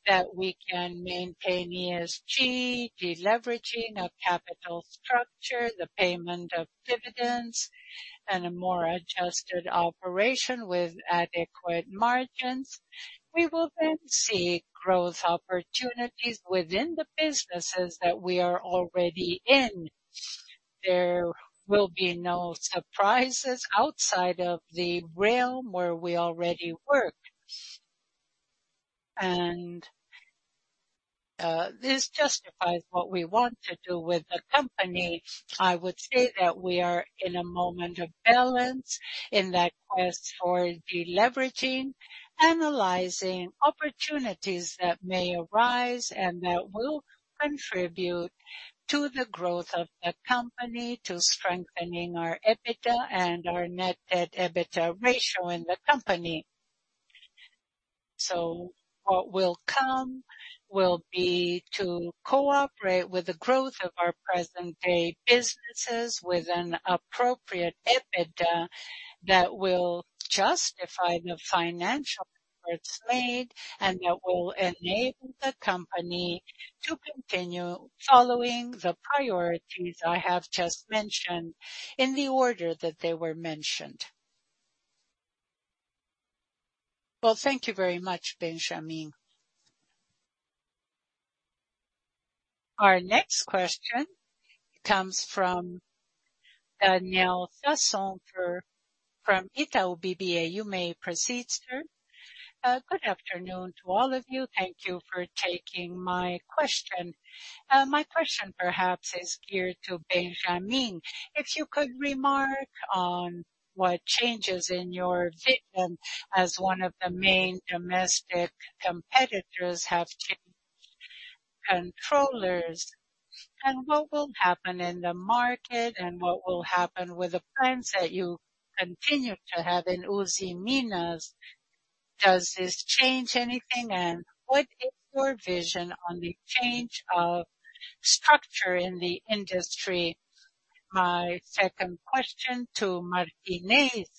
Speaker 4: that we can maintain ESG, deleveraging of capital structure, the payment of dividends, and a more adjusted operation with adequate margins. We will then see growth opportunities within the businesses that we are already in. There will be no surprises outside of the realm where we already work, and this justifies what we want to do with the company. I would say that we are in a moment of balance in that quest for deleveraging, analyzing opportunities that may arise and that will contribute to the growth of the company, to strengthening our EBITDA and our net debt EBITDA ratio in the company. What will come will be to cooperate with the growth of our present-day businesses with an appropriate EBITDA that will justify the financial efforts made and that will enable the company to continue following the priorities I have just mentioned in the order that they were mentioned.
Speaker 5: Well, thank you very much, Benjamin.
Speaker 1: Our next question comes from Daniel Sasson from Itaú BBA. You may proceed, sir.
Speaker 7: Good afternoon to all of you. Thank you for taking my question. My question perhaps is geared to Benjamin. If you could remark on what changes in your vision as one of the main domestic competitors have changed controllers, and what will happen in the market, and what will happen with the plans that you continue to have in Usiminas. Does this change anything, and what is your vision on the change of structure in the industry? My second question to Martinez.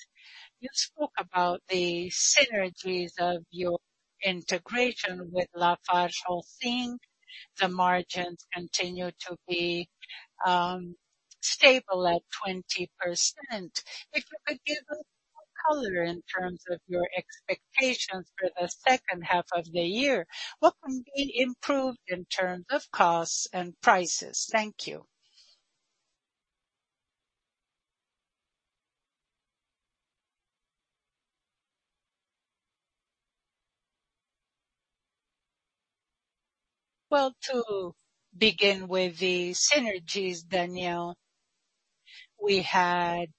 Speaker 7: You spoke about the synergies of your integration with LafargeHolcim. The margins continue to be stable at 20%. If you could give us more color in terms of your expectations for the second half of the year, what can be improved in terms of costs and prices? Thank you.
Speaker 6: Well, to begin with the synergies, Daniel, we had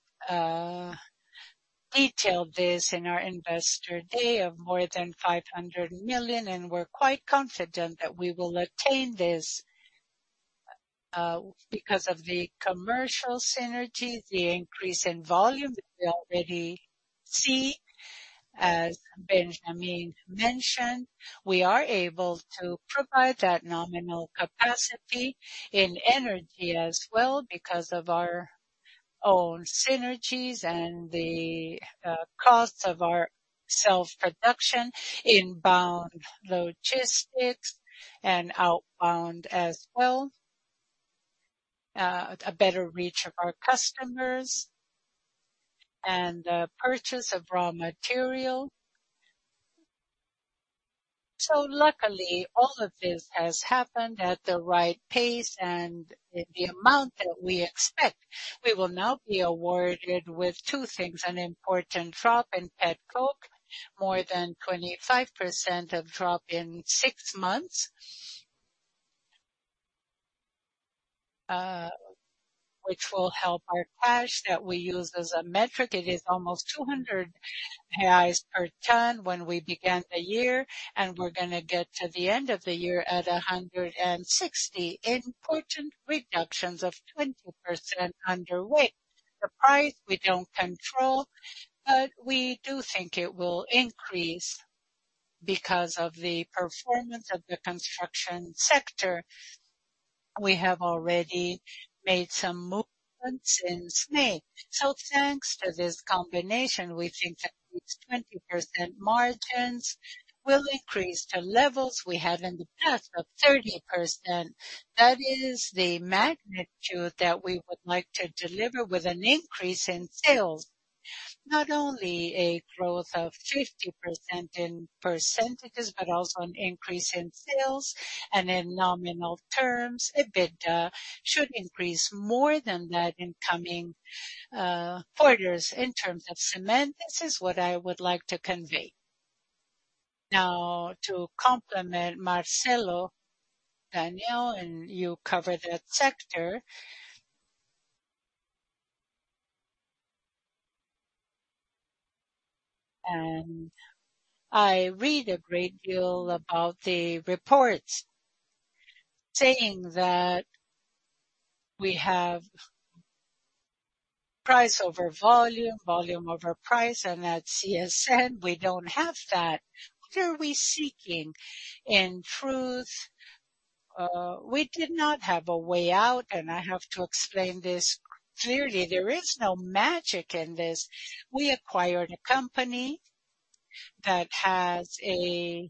Speaker 6: detailed this in our investor day of more than 500 million, and we're quite confident that we will attain this because of the commercial synergy, the increase in volume that we already see. As Benjamin mentioned, we are able to provide that nominal capacity in energy as well, because of our own synergies and the costs of our self-production, inbound logistics and outbound as well, a better reach of our customers and purchase of raw material. Luckily, all of this has happened at the right pace and in the amount that we expect. We will now be awarded with two things, an important drop in petcoke, more than 25% of drop in six months, which will help our cash that we use as a metric. It is almost R$200 per ton when we began the year, and we're gonna get to the end of the year at R$160. Important reductions of 20% underweight. The price we don't control, but we do think it will increase. Because of the performance of the construction sector, we have already made some movements in [snake]. Thanks to this combination, we think that these 20% margins will increase to levels we had in the past of 30%. That is the magnitude that we would like to deliver with an increase in sales. Not only a growth of 50% in percentages, but also an increase in sales and in nominal terms, EBITDA should increase more than that in coming quarters. In terms of cement, this is what I would like to convey. To complement Marcelo, Daniel, and you cover that sector. I read a great deal about the reports saying that we have price over volume, volume over price, and at CSN, we don't have that. What are we seeking? In truth, we did not have a way out, and I have to explain this clearly. There is no magic in this. We acquired a company that has a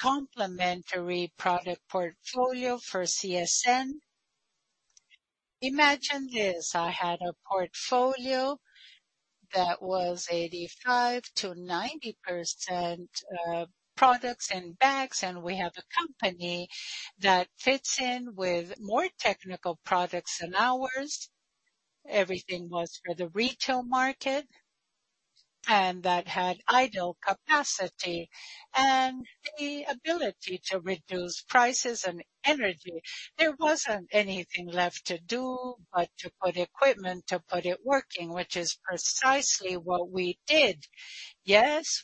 Speaker 6: complementary product portfolio for CSN. Imagine this, I had a portfolio that was 85%-90%, products and bags. We have a company that fits in with more technical products than ours. Everything was for the retail market. That had idle capacity and the ability to reduce prices and energy. There wasn't anything left to do, but to put equipment, to put it working, which is precisely what we did.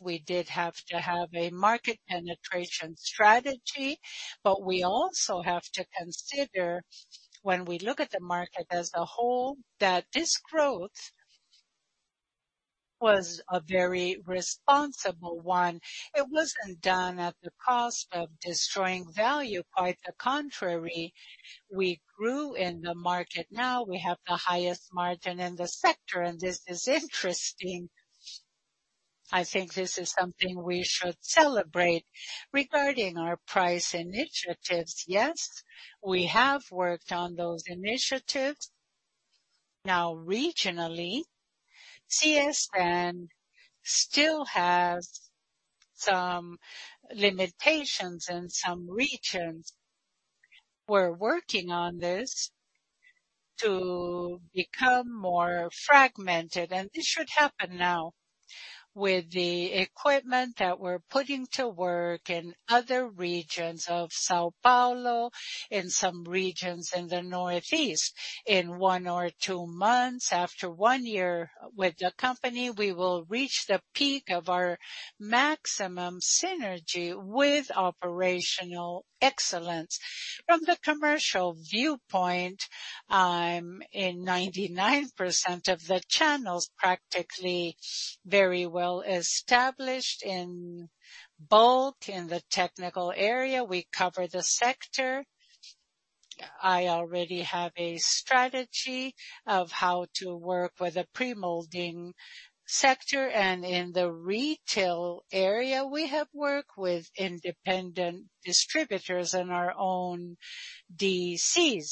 Speaker 6: We did have to have a market penetration strategy, but we also have to consider when we look at the market as a whole, that this growth was a very responsible one. It wasn't done at the cost of destroying value. Quite the contrary, we grew in the market. Now we have the highest margin in the sector. This is interesting. I think this is something we should celebrate. Regarding our price initiatives, yes, we have worked on those initiatives. Regionally, CSN still has some limitations in some regions. We're working on this to become more fragmented, and this should happen now with the equipment that we're putting to work in other regions of São Paulo, in some regions in the Northeast. In one or two months, after one year with the company, we will reach the peak of our maximum synergy with operational excellence. From the commercial viewpoint, I'm in 99% of the channels, practically very well established in bulk. In the technical area, we cover the sector. I already have a strategy of how to work with the pre-molding sector, in the retail area, we have worked with independent distributors and our own DCs.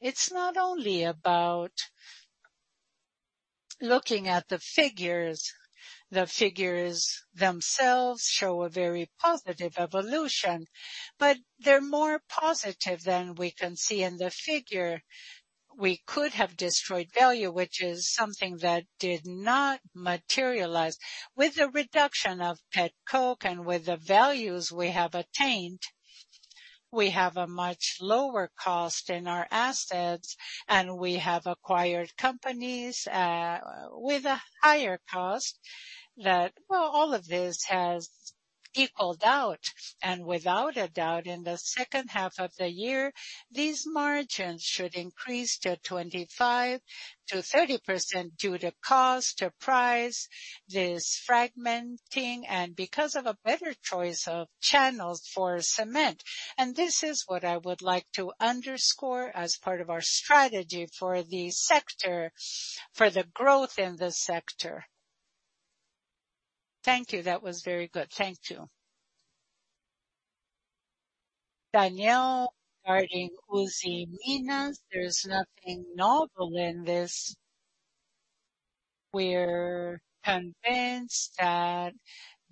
Speaker 6: It's not only about looking at the figures. The figures themselves show a very positive evolution, but they're more positive than we can see in the figure. We could have destroyed value, which is something that did not materialize. With the reduction of petcoke and with the values we have attained, we have a much lower cost in our assets, and we have acquired companies with a higher cost. All of this has equaled out, without a doubt, in the second half of the year, these margins should increase to 25%-30% due to cost, to price, this fragmenting, and because of a better choice of channels for cement. This is what I would like to underscore as part of our strategy for the sector, for the growth in the sector.
Speaker 7: Thank you. That was very good. Thank you.
Speaker 4: Daniel, regarding Usiminas, there's nothing novel in this. We're convinced that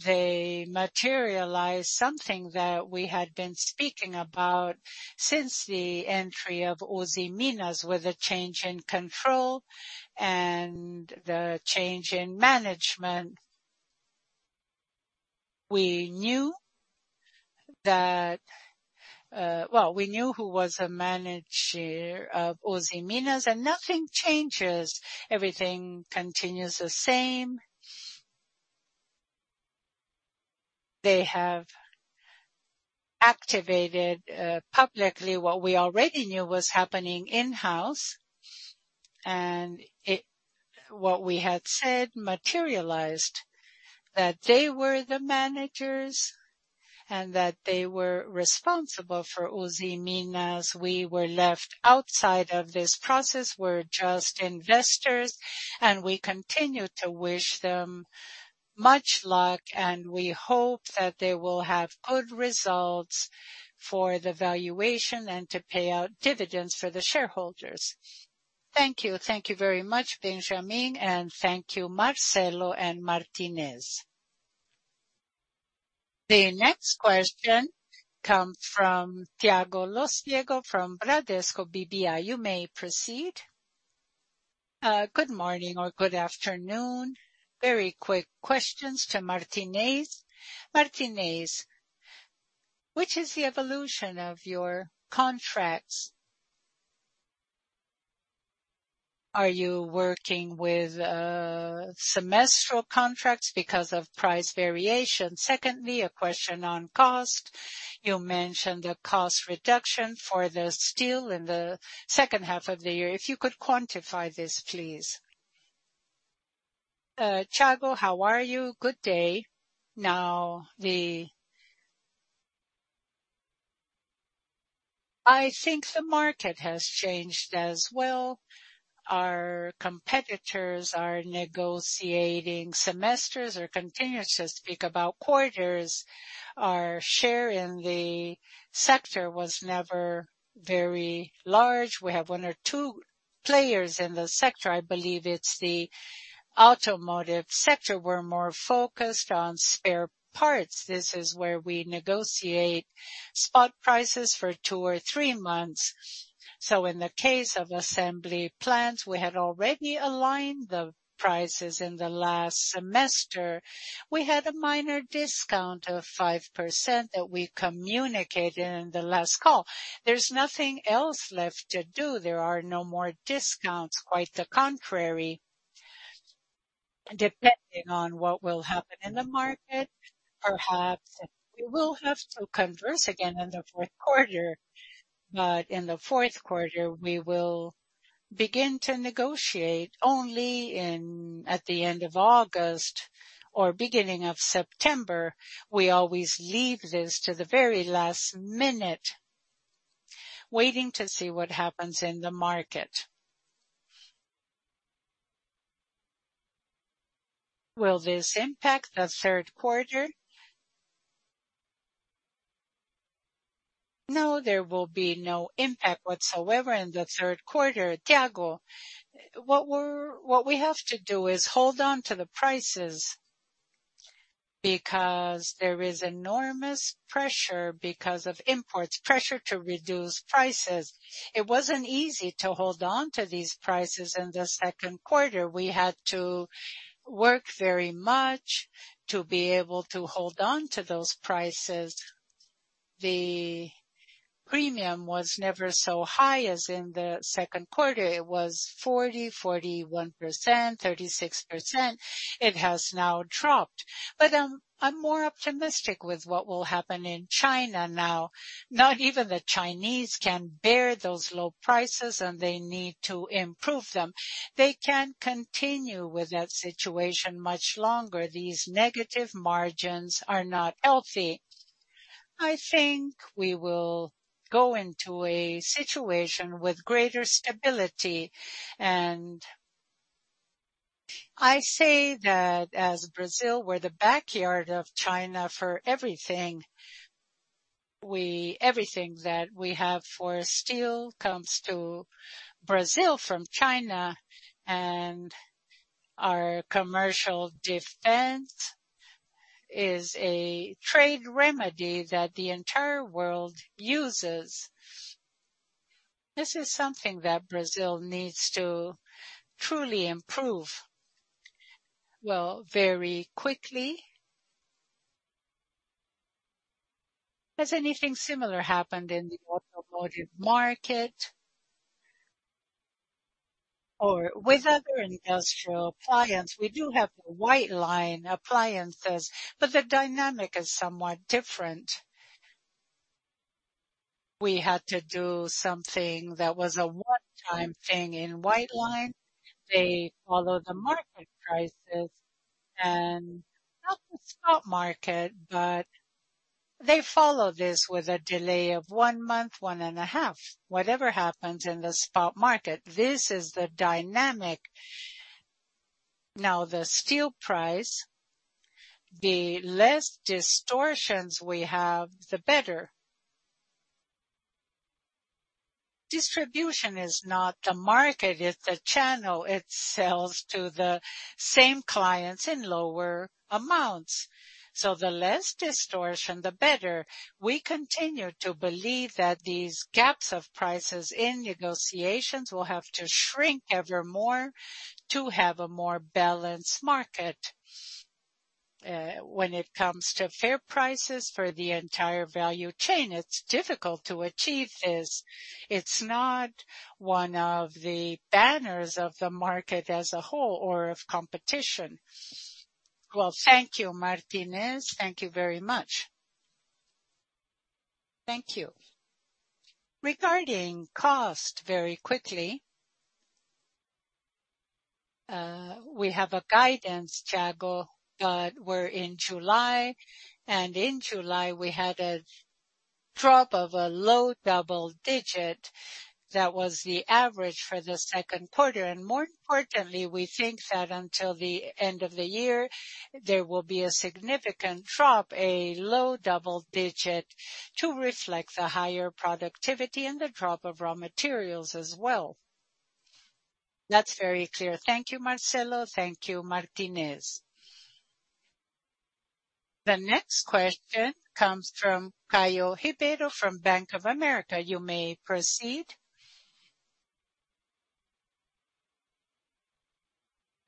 Speaker 4: they materialized something that we had been speaking about since the entry of Usiminas, with a change in control and the change in management. We knew that, well, we knew who was a manager of Usiminas, and nothing changes. Everything continues the same. They have activated publicly what we already knew was happening in-house, and it, what we had said materialized, that they were the managers and that they were responsible for Usiminas. We were left outside of this process. We're just investors, and we continue to wish them much luck, and we hope that they will have good results for the valuation and to pay out dividends for the shareholders.
Speaker 7: Thank you. Thank you very much, Benjamin, and thank you, Marcelo and Martinez.
Speaker 1: The next question come from Thiago Lofiego, from Bradesco BBI. You may proceed. Good morning or good afternoon.
Speaker 8: Very quick questions to Martinez. Martinez, which is the evolution of your contracts? Are you working with semestral contracts because of price variation? Secondly, a question on cost. You mentioned the cost reduction for the steel in the second half of the year. If you could quantify this, please.
Speaker 6: Thiago, how are you? Good day. I think the market has changed as well. Our competitors are negotiating semesters or continues to speak about quarters. Our share in the sector was never very large. We have one or two players in the sector. I believe it's the automotive sector. We're more focused on spare parts. This is where we negotiate spot prices for two or three months. In the case of assembly plants, we had already aligned the prices in the last semester. We had a minor discount of 5% that we communicated in the last call. There's nothing else left to do. There are no more discounts, quite the contrary. Depending on what will happen in the market, perhaps we will have to converse again in the fourth quarter, but in the fourth quarter, we will begin to negotiate only at the end of August or beginning of September. We always leave this to the very last minute, waiting to see what happens in the market.
Speaker 8: Will this impact the third quarter?
Speaker 6: No, there will be no impact whatsoever in the third quarter, Thiago. What we have to do is hold on to the prices because there is enormous pressure because of imports, pressure to reduce prices. It wasn't easy to hold on to these prices in the second quarter. We had to work very much to be able to hold on to those prices. The premium was never so high as in the second quarter. It was 40%, 41%, 36%. It has now dropped. I'm more optimistic with what will happen in China now. Not even the Chinese can bear those low prices. They need to improve them. They can't continue with that situation much longer. These negative margins are not healthy. I think we will go into a situation with greater stability. I say that as Brazil, we're the backyard of China for everything. Everything that we have for steel comes to Brazil from China. Our commercial defense is a trade remedy that the entire world uses. This is something that Brazil needs to truly improve. Well, very quickly. Has anything similar happened in the automotive market or with other industrial clients? We do have the white goods appliances, but the dynamic is somewhat different. We had to do something that was a one-time thing in white goods. They follow the market prices and not the spot market, but they follow this with a delay of one month, one and a half, whatever happens in the spot market, this is the dynamic. Now, the steel price, the less distortions we have, the better. Distribution is not the market, it's the channel. It sells to the same clients in lower amounts, so the less distortion, the better. We continue to believe that these gaps of prices in negotiations will have to shrink ever more to have a more balanced market. When it comes to fair prices for the entire value chain, it's difficult to achieve this. It's not one of the banners of the market as a whole or of competition.
Speaker 8: Well, thank you, Martinez. Thank you very much. Thank you.
Speaker 2: Regarding cost, very quickly, we have a guidance, Thiago, we're in July, and in July, we had a drop of a low double digit. That was the average for the second quarter. More importantly, we think that until the end of the year, there will be a significant drop, a low double digit, to reflect the higher productivity and the drop of raw materials as well.
Speaker 8: That's very clear. Thank you, Marcelo. Thank you, Martinez.
Speaker 1: The next question comes from Caio Ribeiro, from Bank of America. You may proceed.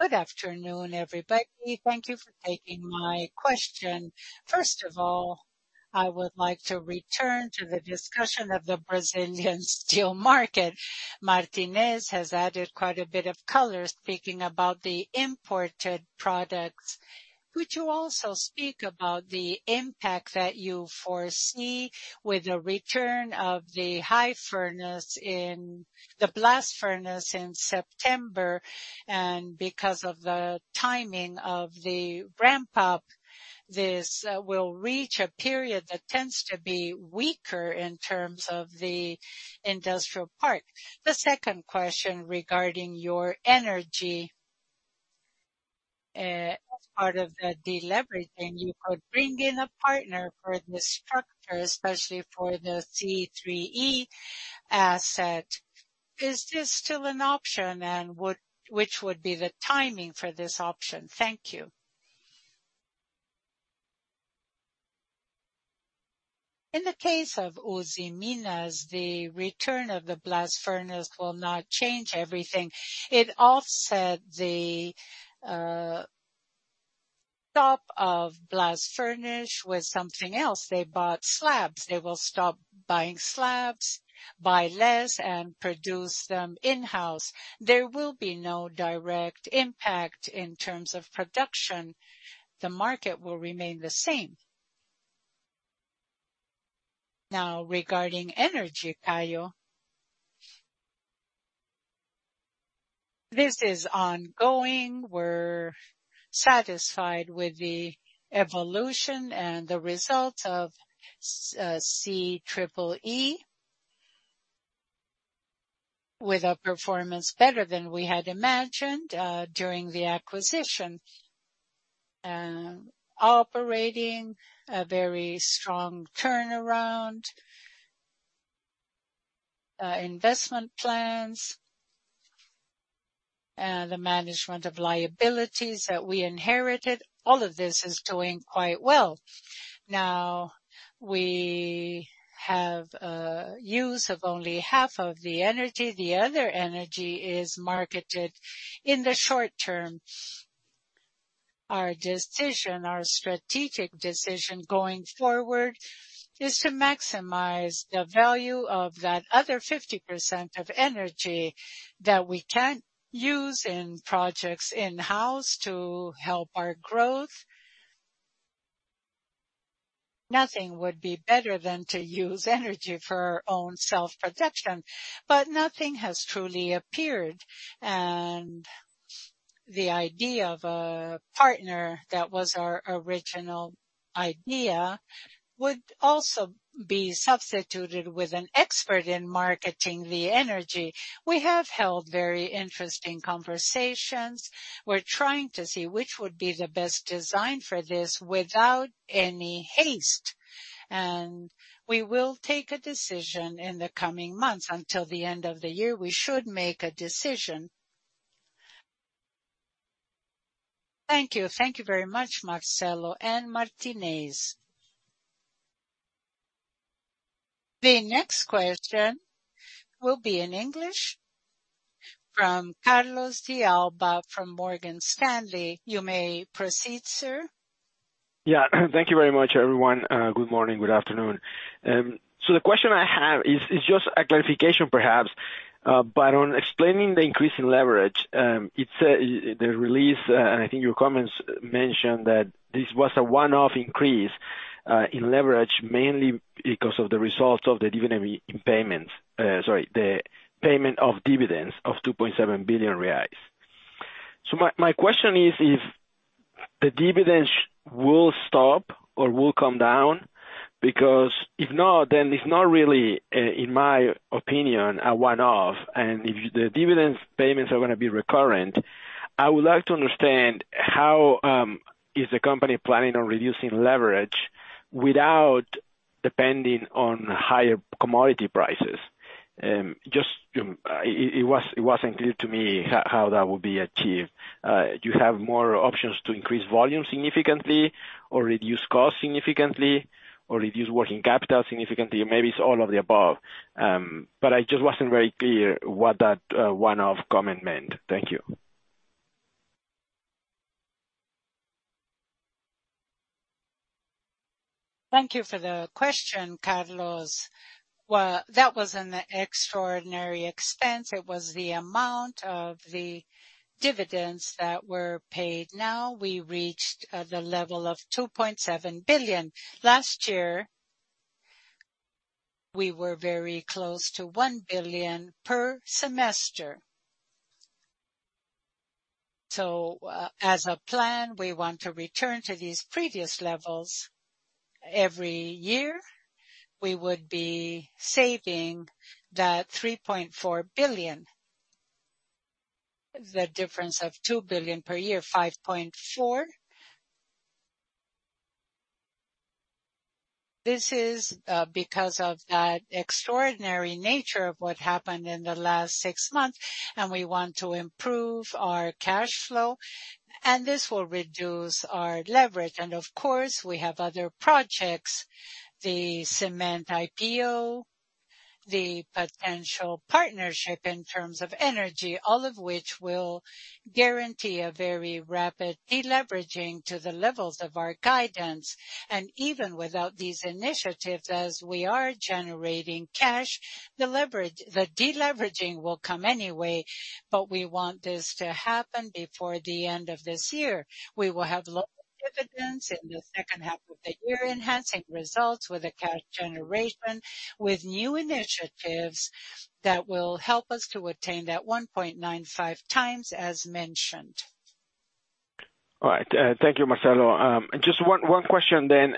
Speaker 9: Good afternoon, everybody. Thank you for taking my question. First of all, I would like to return to the discussion of the Brazilian steel market. Martinez has added quite a bit of color, speaking about the imported products. Could you also speak about the impact that you foresee with the return of the blast furnace in September? Because of the timing of the ramp up, this will reach a period that tends to be weaker in terms of the industrial part. The second question regarding your energy, as part of the deleveraging, you could bring in a partner for the structure, especially for the C triple E asset. Is this still an option? Which would be the timing for this option? Thank you.
Speaker 2: In the case of Usiminas, the return of the blast furnace will not change everything. It offset the top of blast furnace with something else. They bought slabs. They will stop buying slabs, buy less and produce them in-house. There will be no direct impact in terms of production. The market will remain the same.
Speaker 6: Now, regarding energy, Caio, this is ongoing. We're satisfied with the evolution and the results of C triple E, with a performance better than we had imagined during the acquisition. Operating a very strong turnaround, investment plans, and the management of liabilities that we inherited, all of this is doing quite well. Now, we have use of only half of the energy. The other energy is marketed in the short term. Our decision, our strategic decision going forward, is to maximize the value of that other 50% of energy that we can't use in projects in-house to help our growth. Nothing would be better than to use energy for our own self-protection, nothing has truly appeared. The idea of a partner, that was our original idea, would also be substituted with an expert in marketing the energy. We have held very interesting conversations. We're trying to see which would be the best design for this without any haste, and we will take a decision in the coming months. Until the end of the year, we should make a decision.
Speaker 9: Thank you. Thank you very much, Marcelo and Martinez.
Speaker 1: The next question will be in English from Carlos de Alba, from Morgan Stanley. You may proceed, sir.
Speaker 10: Yeah. Thank you very much, everyone. Good morning. Good afternoon. The question I have is, is just a clarification, perhaps, but on explaining the increase in leverage, it's the release, and I think your comments mentioned that this was a one off increase in leverage, mainly because of the results of the dividend in payments. Sorry, the payment of dividends of 2.7 billion reais. My, my question is, if the dividends will stop or will come down? Because if not, then it's not really, in my opinion, a one-off. If the dividends payments are gonna be recurrent, I would like to understand how is the company planning on reducing leverage without depending on higher commodity prices? Just, it, it wasn't clear to me how, how that would be achieved. Do you have more options to increase volume significantly or reduce costs significantly or reduce working capital significantly? Maybe it's all of the above. I just wasn't very clear what that one-off comment meant. Thank you.
Speaker 2: Thank you for the question, Carlos. Well, that was an extraordinary expense. It was the amount of the dividends that were paid. Now, we reached the level of 2.7 billion. Last year, we were very close to 1 billion per semester. As a plan, we want to return to these previous levels every year. We would be saving that 3.4 billion, the difference of 2 billion per year, 5.4 billion. This is because of that extraordinary nature of what happened in the last six months, and we want to improve our cash flow, and this will reduce our leverage. Of course, we have other projects, the Cement IPO, the potential partnership in terms of energy, all of which will guarantee a very rapid deleveraging to the levels of our guidance. Even without these initiatives, as we are generating cash, the leverage, the deleveraging will come anyway, but we want this to happen before the end of this year. We will have lower dividends in the second half of the year, enhancing results with the cash generation, with new initiatives that will help us to attain that 1.95 times as mentioned.
Speaker 10: All right. Thank you, Marcelo. Just one question then,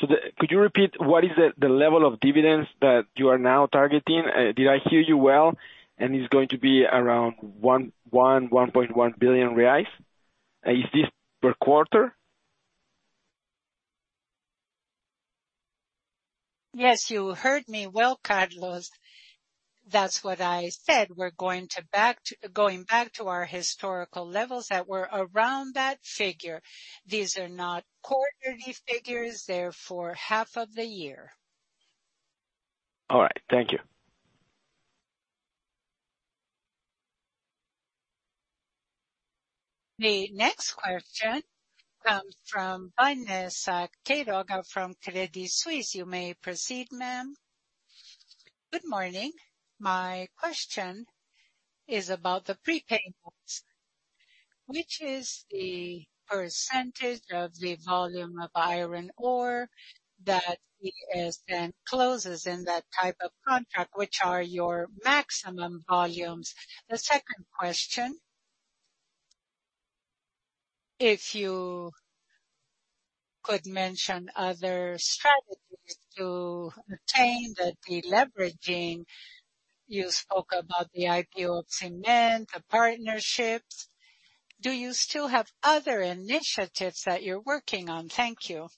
Speaker 10: so could you repeat what is the level of dividends that you are now targeting? Did I hear you well, and it's going to be around 1.1 billion reais? Is this per quarter?
Speaker 2: Yes, you heard me well, Carlos. That's what I said. We're going back to our historical levels that were around that figure. These are not quarterly figures, they're for half of the year.
Speaker 10: All right. Thank you.
Speaker 1: The next question comes from Vanessa Quiroga from Credit Suisse. You may proceed, ma'am.
Speaker 11: Good morning. My question is about the prepayments. Which is the % of the volume of iron ore that is then closes in that type of contract, which are your maximum volumes? The second question, if you could mention other strategies to attain the deleveraging. You spoke about the IPO of Cement, the partnerships. Do you still have other initiatives that you're working on? Thank you.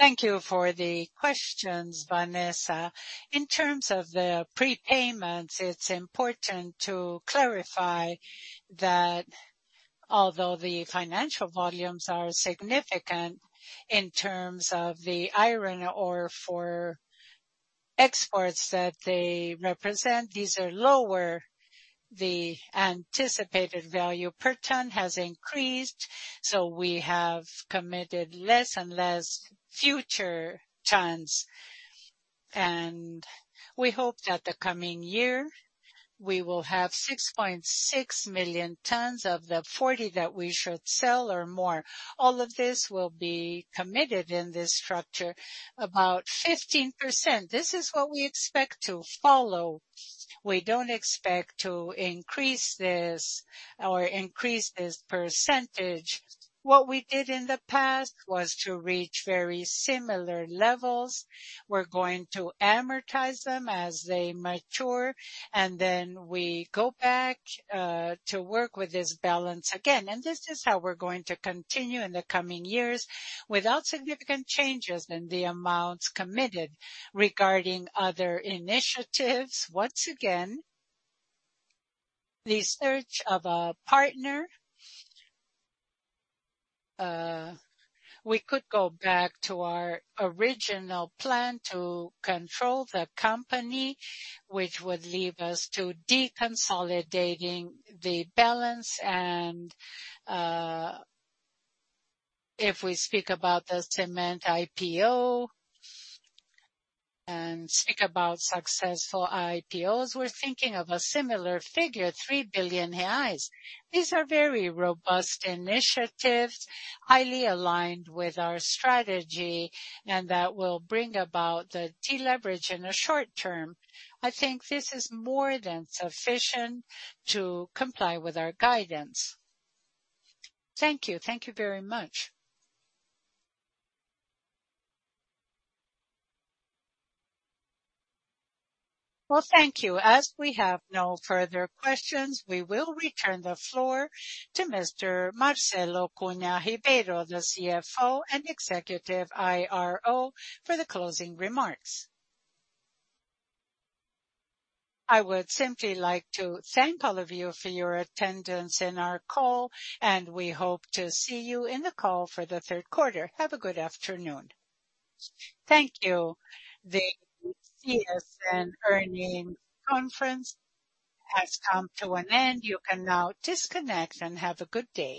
Speaker 6: Thank you for the questions, Vanessa. In terms of the prepayments, it's important to clarify that although the financial volumes are significant in terms of the iron ore for exports that they represent, these are lower. The anticipated value per ton has increased, so we have committed less and less future tons, and we hope that the coming year we will have 6.6 million tons of the 40 that we should sell or more. All of this will be committed in this structure, about 15%. This is what we expect to follow. We don't expect to increase this or increase this percentage. What we did in the past was to reach very similar levels. We're going to amortize them as they mature, and then we go back to work with this balance again. This is how we're going to continue in the coming years, without significant changes in the amounts committed. Regarding other initiatives, once again, the search of a partner, we could go back to our original plan to control the company, which would leave us to deconsolidating the balance. If we speak about the Cement IPO and speak about successful IPOs, we're thinking of a similar figure, 3 billion reais. These are very robust initiatives, highly aligned with our strategy, and that will bring about the deleverage in the short term. I think this is more than sufficient to comply with our guidance.
Speaker 11: Thank you. Thank you very much.
Speaker 1: Well, thank you. As we have no further questions, we will return the floor to Mr. Marcelo Cunha Ribeiro, the CFO and Executive IRO, for the closing remarks.
Speaker 2: I would simply like to thank all of you for your attendance in our call, and we hope to see you in the call for the third quarter. Have a good afternoon.
Speaker 1: Thank you. The CSN earnings conference has come to an end. You can now disconnect and have a good day.